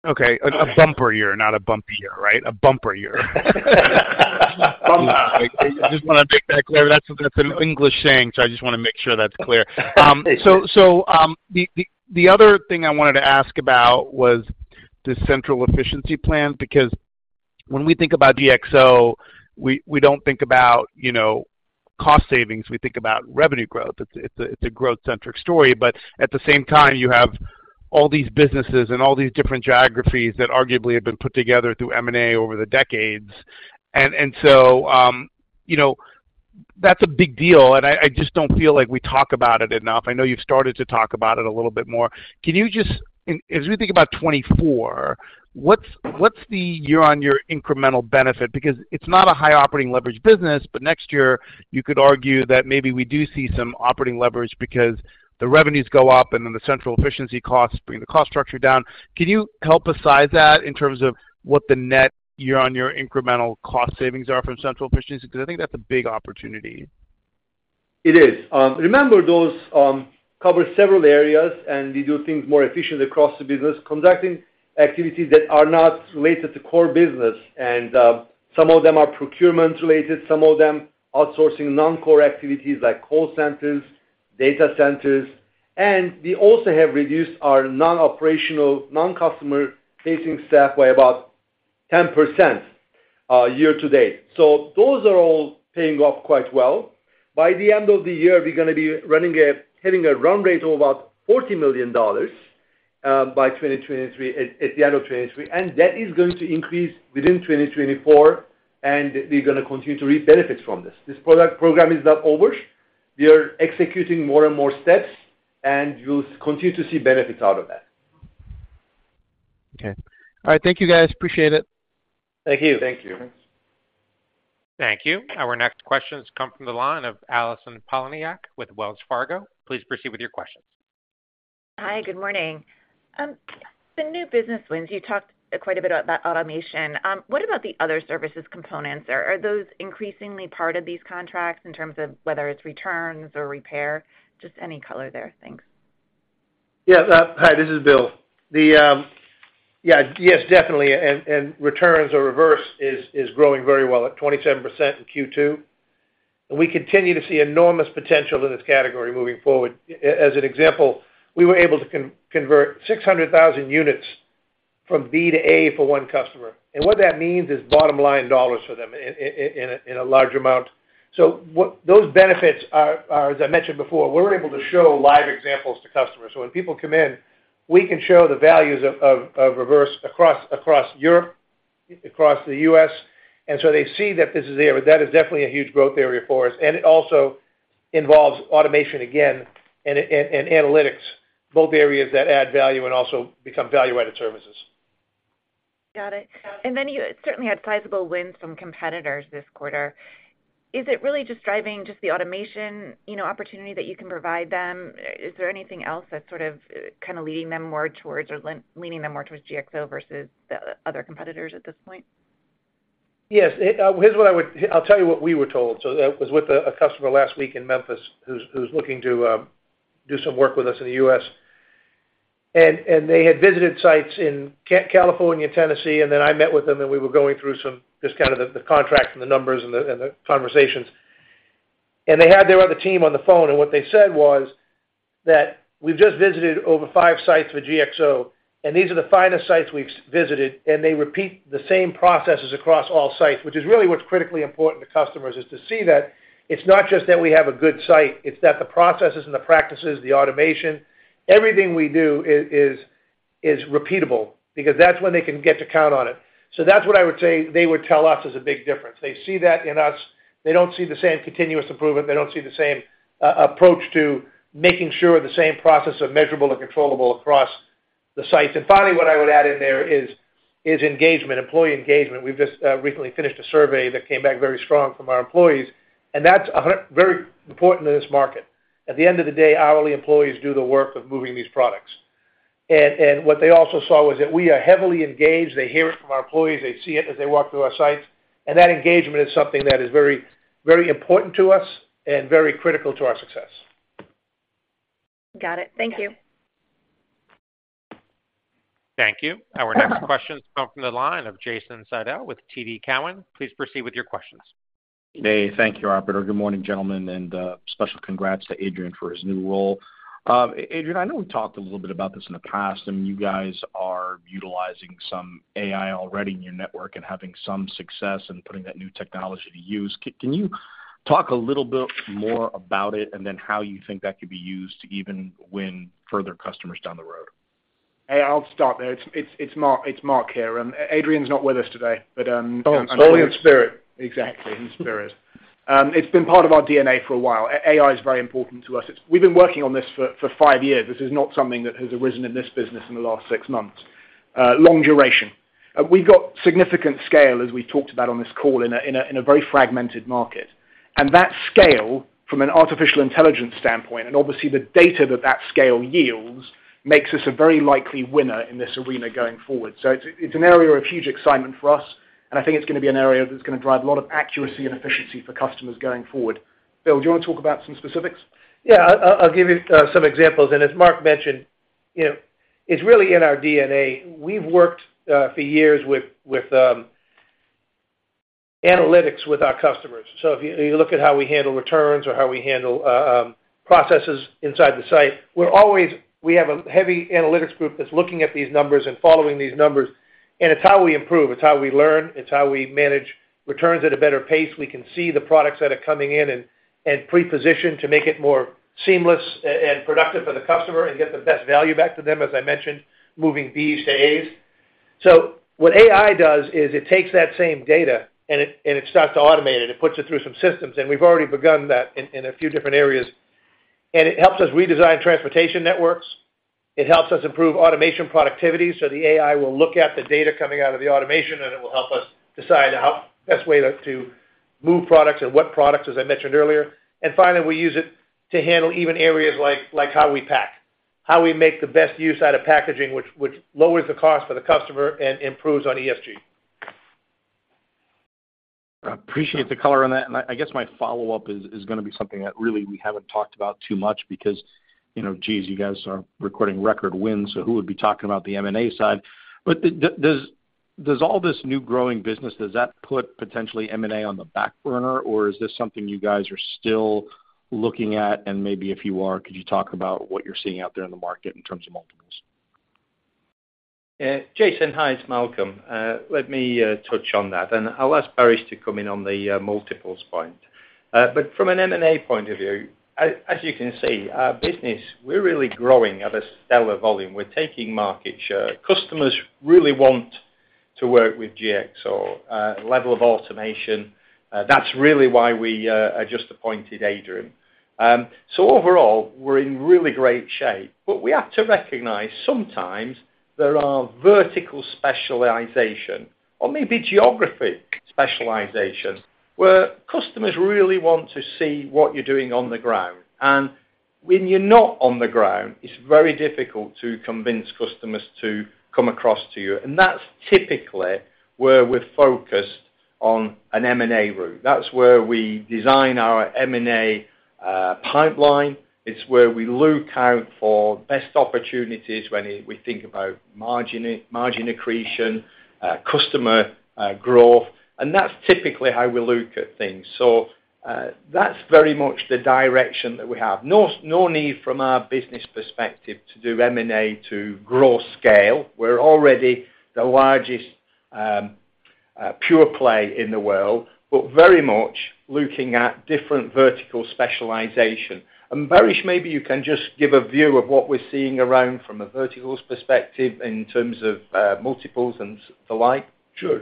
Okay, a bumper year, not a bumpy year, right? A bumper year. I just want to make that clear. That's, that's an English saying, so I just wanna make sure that's clear. So, the other thing I wanted to ask about was the Central Efficiency Plans, because when we think about GXO, we, we don't think about, you know, cost savings. We think about revenue growth. It's a, it's a growth-centric story, but at the same time, you have all these businesses and all these different geographies that arguably have been put together through M&A over the decades. You know, that's a big deal, and I, I just don't feel like we talk about it enough. I know you've started to talk about it a little bit more. Can you just— As we think about 2024, what's the year-on-year incremental benefit? Because it's not a high operating leverage business, but next year, you could argue that maybe we do see some operating leverage because the revenues go up, and then the Central Efficiency costs bring the cost structure down. Can you help us size that in terms of what the net year-on-year incremental cost savings are from Central Efficiency? Because I think that's a big opportunity. It is. Remember, those cover several areas, and we do things more efficiently across the business, conducting activities that are not related to core business. Some of them are procurement related, some of them outsourcing non-core activities like call centers, data centers. We also have reduced our non-operational, non-customer-facing staff by about 10% year to date. Those are all paying off quite well. By the end of the year, we're gonna be hitting a run rate of about $40 million by 2023, at the end of 2023, and that is going to increase within 2024, and we're gonna continue to reap benefits from this. This product program is not over. We are executing more and more steps, and we'll continue to see benefits out of that. Okay. All right. Thank you, guys. Appreciate it. Thank you. Thank you. Thank you. Our next question has come from the line of Allison Poliniak with Wells Fargo. Please proceed with your questions. Hi, good morning. The new business wins, you talked quite a bit about that automation. What about the other services components? Are those increasingly part of these contracts in terms of whether it's returns or repair? Just any color there. Thanks. Yeah. Hi, this is Bill. The. Yeah, yes, definitely, and returns or reverse is growing very well at 27% in Q2. We continue to see enormous potential in this category moving forward. As an example, we were able to convert 600,000 units from B to A for 1 customer. What that means is bottom line dollars for them in a large amount. What those benefits are, as I mentioned before, we're able to show live examples to customers. When people come in, we can show the values of reverse across Europe, across the US. They see that this is there. That is definitely a huge growth area for us, and it also involves automation again, and, and analytics, both areas that add value and also become value-added services. Got it. Then you certainly had sizable wins from competitors this quarter. Is it really just driving just the automation, you know, opportunity that you can provide them? Is there anything else that's leading them more towards or leaning them more towards GXO versus the other competitors at this point? Yes, it—here's what I would—I'll tell you what we were told. That was with a customer last week in Memphis, who's, who's looking to do some work with us in the US. They had visited sites in California, Tennessee, and then I met with them, and we were going through some, just kind of the, the contract and the numbers and the, and the conversations. They had their other team on the phone, and what they said was that we've just visited over five sites for GXO, and these are the finest sites we've visited, and they repeat the same processes across all sites, which is really what's critically important to customers, is to see that it's not just that we have a good site, it's that the processes and the practices, the automation, everything we do is, is repeatable, because that's when they can get to count on it. That's what I would say they would tell us is a big difference. They see that in us. They don't see the same continuous improvement. They don't see the same approach to making sure the same process are measurable and controllable across the sites. Finally, what I would add in there is, is engagement, employee engagement. We've just recently finished a survey that came back very strong from our employees, that's very important in this market. At the end of the day, hourly employees do the work of moving these products. What they also saw was that we are heavily engaged. They hear it from our employees, they see it as they walk through our sites. That engagement is something that is very, very important to us and very critical to our success. Got it. Thank you. Thank you. Our next question come from the line of Jason Seidl with TD Cowen. Please proceed with your questions. Hey, thank you, operator. Good morning, gentlemen, and special congrats to Adrian for his new role. Adrian, I know we've talked a little bit about this in the past, and you guys are utilizing some AI already in your network and having some success in putting that new technology to use. Can you talk a little bit more about it and then how you think that could be used to even win further customers down the road? Hey, I'll stop there. It's, it's, it's Mark. It's Mark here. Adrian's not with us today, but— Oh, he's only in spirit. Exactly, in spirit. It's been part of our DNA for a while. AI is very important to us. It's—we've been working on this for, for 5 years. This is not something that has arisen in this business in the last 6 months. Long duration. We've got significant scale, as we talked about on this call, in a, in a, in a very fragmented market. That scale, from an artificial intelligence standpoint, and obviously the data that that scale yields, makes us a very likely winner in this arena going forward. It's, it's an area of huge excitement for us, and I think it's gonna be an area that's gonna drive a lot of accuracy and efficiency for customers going forward. Bill, do you want to talk about some specifics? Yeah. I'll give you some examples. As Mark mentioned, you know, it's really in our DNA. We've worked for years with, with analytics with our customers. If you look at how we handle returns or how we handle processes inside the site, we're always. We have a heavy analytics group that's looking at these numbers and following these numbers, and it's how we improve, it's how we learn, it's how we manage returns at a better pace. We can see the products that are coming in and pre-position to make it more seamless and productive for the customer and get the best value back to them, as I mentioned, moving Bs to As. What AI does is it takes that same data and it starts to automate it. It puts it through some systems. We've already begun that in a few different areas. It helps us redesign transportation networks. It helps us improve automation productivity. The AI will look at the data coming out of the automation, and it will help us decide how best way to move products and what products, as I mentioned earlier. Finally, we use it to handle even areas like how we pack, how we make the best use out of packaging, which lowers the cost for the customer and improves on ESG. I appreciate the color on that, and I, I guess my follow-up is, is gonna be something that really we haven't talked about too much because, you know, geez, you guys are recording record wins, so who would be talking about the M&A side? Does, does all this new growing business, does that put potentially M&A on the back burner, or is this something you guys are still looking at? Maybe if you are, could you talk about what you're seeing out there in the market in terms of multiples? Jason, hi, it's Malcolm. Let me touch on that, and I'll ask Baris to come in on the multiples point. From an M&A point of view, as you can see, our business, we're really growing at a stellar volume. We're taking market share. Customers really want to work with GXO, level of automation. That's really why we just appointed Adrian. Overall, we're in really great shape, but we have to recognize sometimes there are vertical specialization or maybe geography specialization, where customers really want to see what you're doing on the ground. When you're not on the ground, it's very difficult to convince customers to come across to you. That's typically where we're focused on an M&A route. That's where we design our M&A pipeline. It's where we look out for best opportunities when it, we think about margin, margin accretion, customer growth, and that's typically how we look at things. That's very much the direction that we have. No, no need from our business perspective to do M&A to grow scale. We're already the largest pure-play in the world, but very much looking at different vertical specialization. Baris, maybe you can just give a view of what we're seeing around from a verticals perspective in terms of multiples and the like. Sure.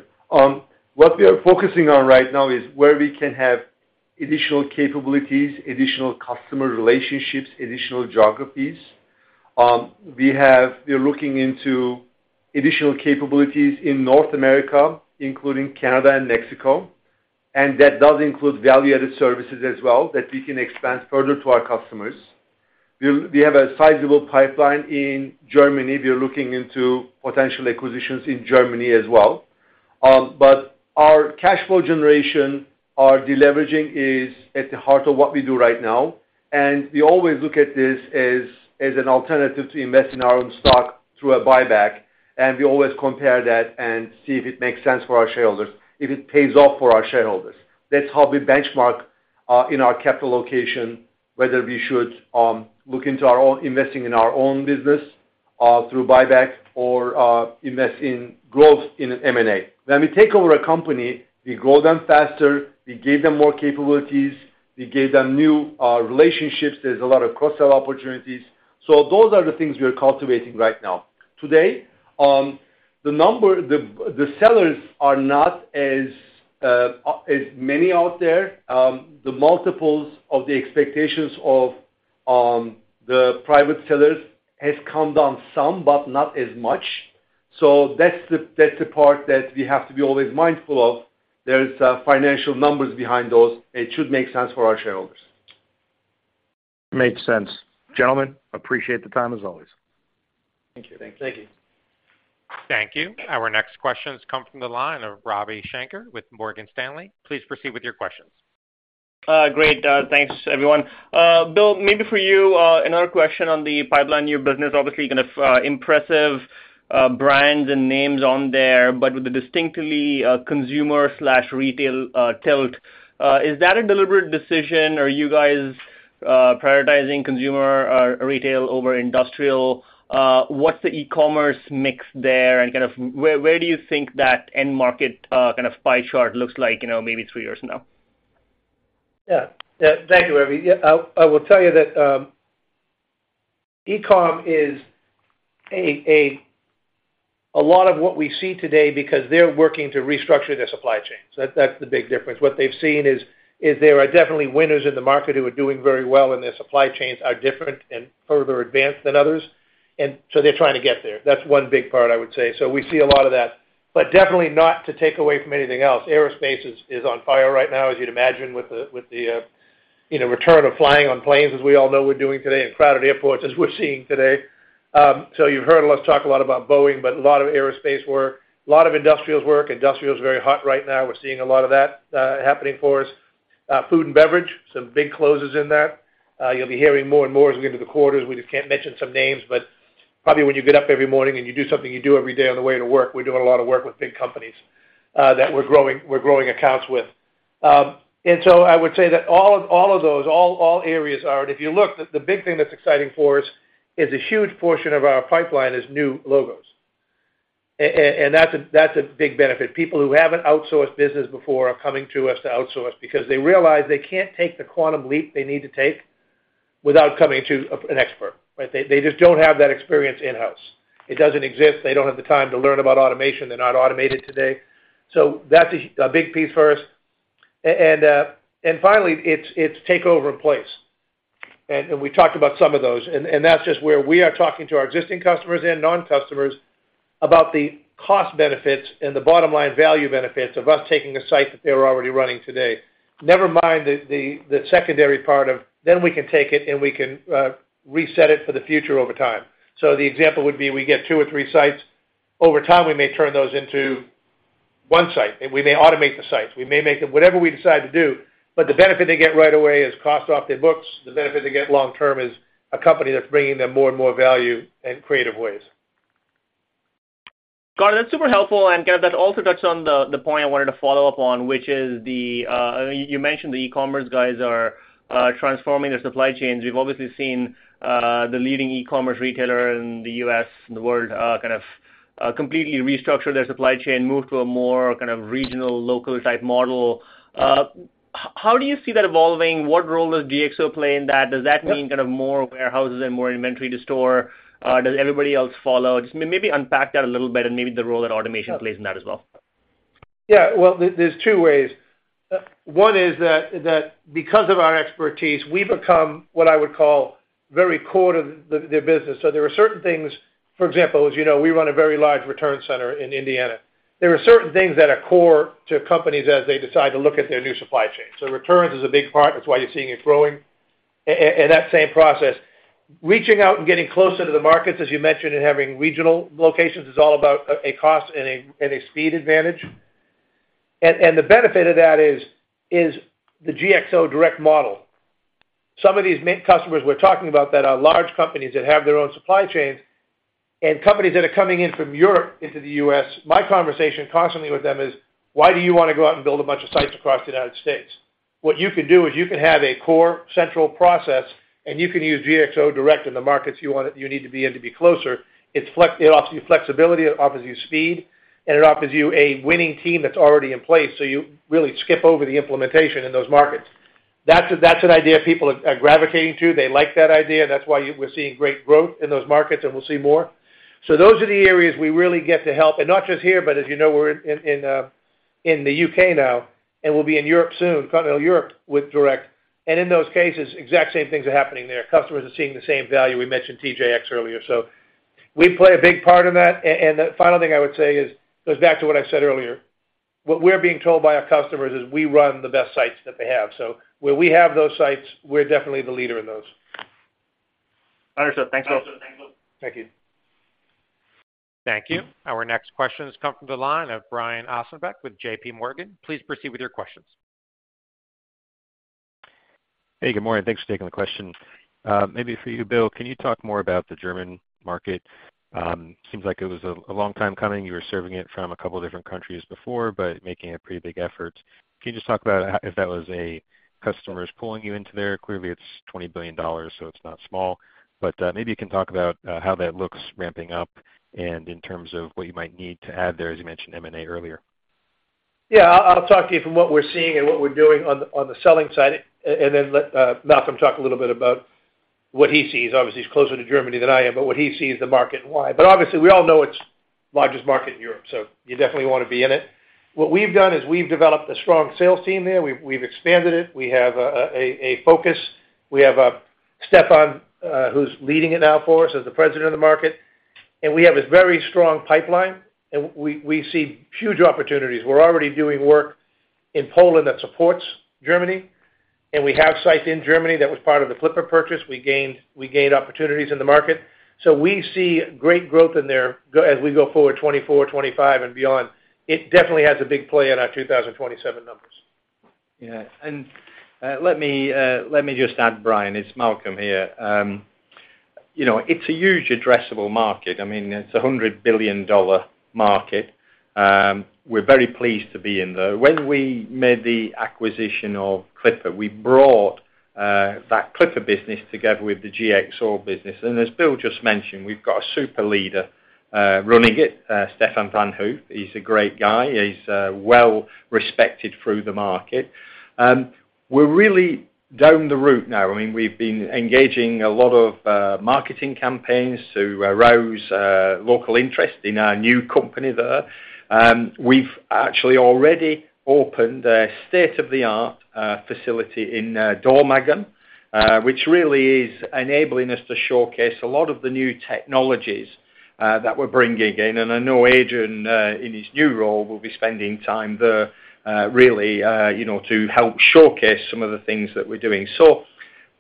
What we are focusing on right now is where we can have additional capabilities, additional customer relationships, additional geographies. We're looking into additional capabilities in North America, including Canada and Mexico, and that does include value-added services as well, that we can expand further to our customers. We have a sizable pipeline in Germany. We're looking into potential acquisitions in Germany as well. Our cash flow generation, our deleveraging is at the heart of what we do right now, and we always look at this as, as an alternative to investing in our own stock through a buyback, and we always compare that and see if it makes sense for our shareholders, if it pays off for our shareholders. That's how we benchmark in our capital allocation, whether we should look into investing in our own business through buyback or invest in growth in M&A. When we take over a company, we grow them faster, we give them more capabilities, we give them new relationships. There's a lot of cross-sell opportunities. Those are the things we are cultivating right now. Today, the sellers are not as many out there. The multiples of the expectations of the private sellers has come down some, but not as much. That's the part that we have to be always mindful of. There's financial numbers behind those, and it should make sense for our shareholders. Makes sense. Gentlemen, appreciate the time, as always. Thank you. Thank you. Thank you. Our next questions come from the line of Ravi Shanker with Morgan Stanley. Please proceed with your questions. Great. Thanks, everyone. Bill, maybe for you, another question on the pipeline, new business. Obviously, you kind of, impressive, brands and names on there, but with a distinctly, consumer/retail, tilt. Is that a deliberate decision, or are you guys, prioritizing consumer or retail over industrial? What's the e-commerce mix there, and kind of where, where do you think that end market, kind of pie chart looks like, you know, maybe three years from now? Yeah. Yeah. Thank you, Ravi. Yeah, I, I will tell you that e-com is a lot of what we see today because they're working to restructure their supply chains. That's, that's the big difference. What they've seen is, is there are definitely winners in the market who are doing very well, and their supply chains are different and further advanced than others, and so they're trying to get there. That's one big part, I would say. We see a lot of that, but definitely not to take away from anything else. Aerospace is, is on fire right now, as you'd imagine, with the, with the, you know, return of flying on planes, as we all know we're doing today, and crowded airports, as we're seeing today. You've heard us talk a lot about Boeing, but a lot of aerospace work, a lot of industrials work. Industrial is very hot right now. We're seeing a lot of that happening for us. Food and beverage, some big closes in there. You'll be hearing more and more as we get to the quarters. We just can't mention some names, but probably when you get up every morning and you do something you do every day on the way to work, we're doing a lot of work with big companies that we're growing, we're growing accounts with. I would say that all of, all of those, all, all areas are. If you look, the big thing that's exciting for us is a huge portion of our pipeline is new logos. That's a big benefit. People who haven't outsourced business before are coming to us to outsource because they realize they can't take the quantum leap they need to take without coming to an expert, right? They, they just don't have that experience in-house. It doesn't exist. They don't have the time to learn about automation. They're not automated today. That's a big piece for us. Finally, it's takeover in place. We talked about some of those, and that's just where we are talking to our existing customers and non-customers about the cost benefits and the bottom line value benefits of us taking a site that they're already running today. Never mind the secondary part of then we can take it, and we can reset it for the future over time. The example would be we get two or three sites. Over time, we may turn those into one site, and we may automate the sites. We may make them—whatever we decide to do, but the benefit they get right away is cost off their books. The benefit they get long term is a company that's bringing them more and more value in creative ways. Got it. That's super helpful, and kind of that also touches on the, the point I wanted to follow up on, which is the, you mentioned the e-commerce guys are transforming their supply chains. We've obviously seen the leading e-commerce retailer in the US and the world, kind of, completely restructure their supply chain, move to a more kind of regional, local type model. How do you see that evolving? What role does GXO play in that kind of more warehouses and more inventory to store? Does everybody else follow? Just maybe unpack that a little bit and maybe the role that automation plays in that as well? Well, there, there's two ways. One is that, that because of our expertise, we become, what I would call, very core to the, the business. There are certain things, for example, as you know, we run a very large return center in Indiana. There are certain things that are core to companies as they decide to look at their new supply chain. Returns is a big part. That's why you're seeing it growing. That same process, reaching out and getting closer to the markets, as you mentioned, and having regional locations is all about a, a cost and a, and a speed advantage. The benefit of that is, is the GXO Direct model. Some of these main customers we're talking about that are large companies that have their own supply chains, and companies that are coming in from Europe into the US, my conversation constantly with them is: Why do you want to go out and build a bunch of sites across the United States? What you can do is you can have a core central process, and you can use GXO Direct in the markets you need to be in to be closer. It offers you flexibility, it offers you speed, and it offers you a winning team that's already in place, so you really skip over the implementation in those markets. That's a, that's an idea people are, are gravitating to. They like that idea, that's why we're seeing great growth in those markets, and we'll see more. Those are the areas we really get to help, and not just here, but as you know, we're in, in the UK now, and we'll be in Europe soon, Continental Europe, with Direct. In those cases, exact same things are happening there. Customers are seeing the same value. We mentioned TJX earlier. We play a big part in that. And the final thing I would say is, goes back to what I said earlier, what we're being told by our customers is we run the best sites that they have. Where we have those sites, we're definitely the leader in those. Understood. Thanks, Bill. Thank you. Thank you. Our next question has come from the line of Brian Ossenbeck with J.P. Morgan. Please proceed with your questions. Hey, good morning. Thanks for taking the question. Maybe for you, Bill, can you talk more about the German market? Seems like it was a, a long time coming. You were serving it from a couple different countries before, but making a pretty big effort. Can you just talk about if that was a, customers pulling you into there? Clearly, it's $20 billion, so it's not small. Maybe you can talk about how that looks ramping up and in terms of what you might need to add there, as you mentioned M&A earlier? Yeah, I'll, I'll talk to you from what we're seeing and what we're doing on, on the selling side, and then let Malcolm talk a little bit about what he sees. Obviously, he's closer to Germany than I am, but what he sees the market and why. Obviously, we all know it's largest market in Europe, so you definitely want to be in it. What we've done is we've developed a strong sales team there. We've, we've expanded it. We have a focus. We have Stefan, who's leading it now for us as the president of the market, and we have a very strong pipeline, and we see huge opportunities. We're already doing work in Poland that supports Germany, and we have sites in Germany that was part of the Clipper purchase. We gained opportunities in the market. We see great growth in there as we go forward 2024, 2025 and beyond. It definitely has a big play in our 2027 numbers. Yeah. Let me, let me just add, Brian, it's Malcolm here. You know, it's a huge addressable market. I mean, it's a $100 billion market. We're very pleased to be in there. When we made the acquisition of Clipper, we brought that Clipper business together with the GXO business. As Bill just mentioned, we've got a super leader running it, Stefan Van Hoof. He's a great guy. He's well-respected through the market. We're really down the route now. I mean, we've been engaging a lot of marketing campaigns to raise local interest in our new company there. We've actually already opened a state-of-the-art facility in Dormagen, which really is enabling us to showcase a lot of the new technologies that we're bringing in. I know Adrian, in his new role, will be spending time there, really, you know, to help showcase some of the things that we're doing.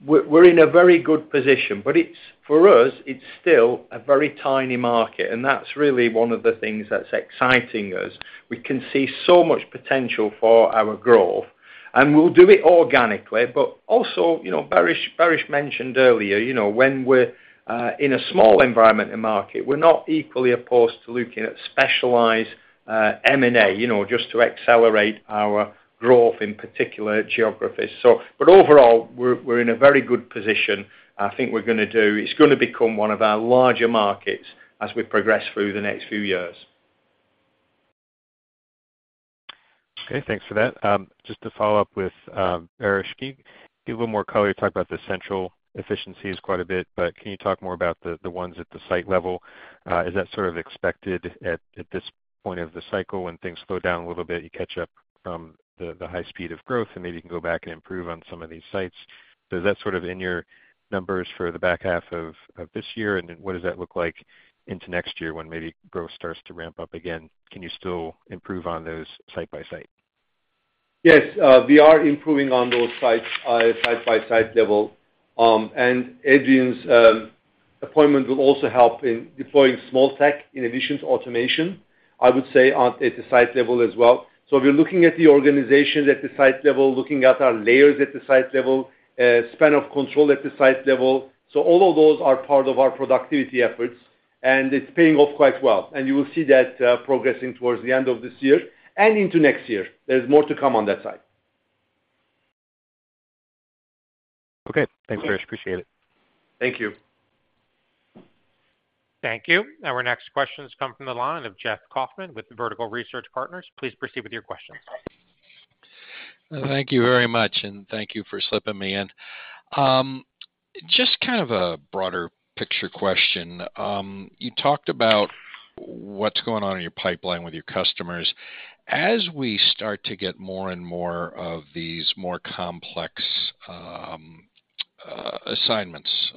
We're, we're in a very good position, but it's, for us, it's still a very tiny market, and that's really one of the things that's exciting us. We can see so much potential for our growth, and we'll do it organically, but also, you know, Baris, Baris mentioned earlier, you know, when we're, in a small environment and market, we're not equally opposed to looking at specialized M&A, you know, just to accelerate our growth in particular geographies. Overall, we're, we're in a very good position. I think we're gonna do. It's gonna become one of our larger markets as we progress through the next few years. Okay, thanks for that. Just to follow up with Baris, can you give a little more color? You talked about the central efficiencies quite a bit, but can you talk more about the, the ones at the site level? Is that sort of expected at this point of the cycle when things slow down a little bit, you catch up from the, the high speed of growth, and maybe you can go back and improve on some of these sites? Is that sort of in your numbers for the back half of this year, and then what does that look like into next year when maybe growth starts to ramp up again? Can you still improve on those site by site? Yes, we are improving on those sites, site-by-site level. Adrian's appointment will also help in deploying small tech in addition to automation, I would say, on, at the site level as well. We're looking at the organization at the site level, looking at our layers at the site level, span of control at the site level. All of those are part of our productivity efforts, and it's paying off quite well. You will see that progressing towards the end of this year and into next year. There's more to come on that side. Okay. Thanks, Baris. Appreciate it. Thank you. Thank you. Our next question has come from the line of Jeff Kauffman with Vertical Research Partners. Please proceed with your question. Thank you very much, and thank you for slipping me in. Just kind of a broader picture question. You talked about what's going on in your pipeline with your customers. As we start to get more and more of these more complex assignments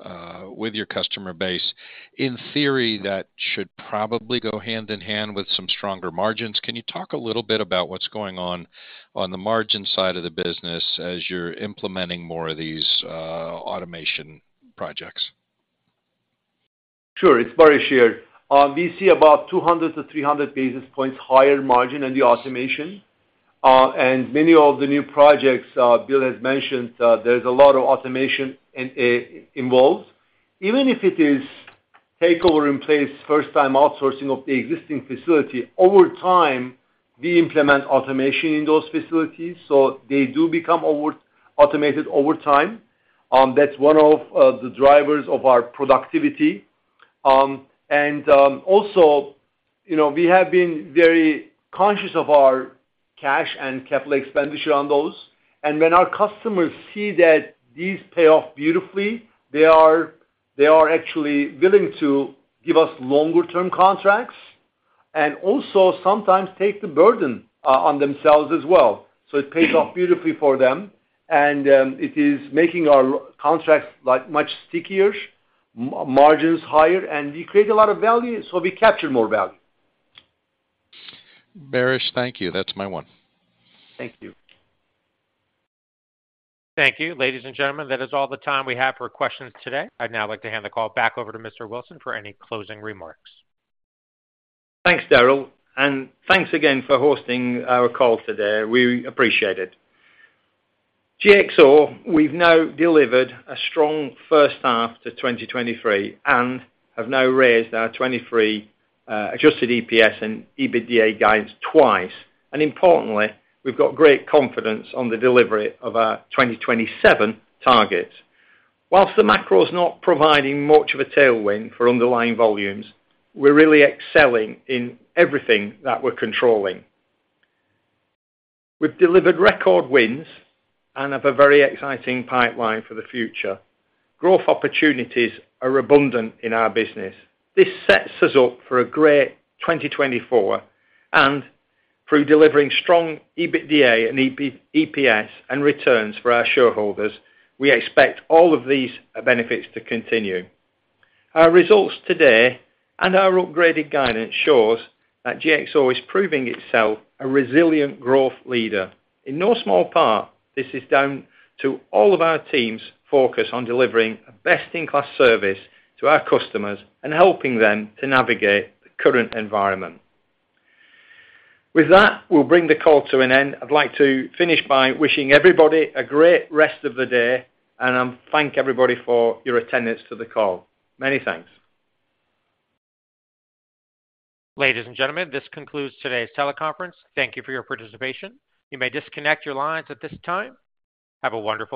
with your customer base, in theory, that should probably go hand in hand with some stronger margins. Can you talk a little bit about what's going on on the margin side of the business as you're implementing more of these automation projects? Sure, it's Baris here. We see about 200-300 basis points higher margin in the automation. Many of the new projects Bill has mentioned, there's a lot of automation involved. Even if it is takeover in place, first time outsourcing of the existing facility, over time, we implement automation in those facilities, so they do become over- automated over time. That's one of the drivers of our productivity. Also, you know, we have been very conscious of our cash and CapEx on those. When our customers see that these pay off beautifully, they are, they are actually willing to give us longer term contracts and also sometimes take the burden on themselves as well. It pays off beautifully for them, and it is making our contracts, like, much stickier, margins higher, and we create a lot of value, so we capture more value. Baris, thank you. That's my one. Thank you. Thank you. Ladies and gentlemen, that is all the time we have for questions today. I'd now like to hand the call back over to Mr. Wilson for any closing remarks. Thanks, Daryl, and thanks again for hosting our call today. We appreciate it. GXO, we've now delivered a strong first half to 2023, and have now raised our 2023 Adjusted EPS and EBITDA guidance twice. Importantly, we've got great confidence on the delivery of our 2027 targets. While the macro is not providing much of a tailwind for underlying volumes, we're really excelling in everything that we're controlling. We've delivered record wins and have a very exciting pipeline for the future. Growth opportunities are abundant in our business. This sets us up for a great 2024, and through delivering strong EBITDA and EPS and returns for our shareholders, we expect all of these benefits to continue. Our results today and our upgraded guidance shows that GXO is proving itself a resilient growth leader. In no small part, this is down to all of our teams focused on delivering a best-in-class service to our customers and helping them to navigate the current environment. With that, we'll bring the call to an end. I'd like to finish by wishing everybody a great rest of the day, and thank everybody for your attendance to the call. Many thanks. Ladies and gentlemen, this concludes today's teleconference. Thank you for your participation. You may disconnect your lines at this time. Have a wonderful day.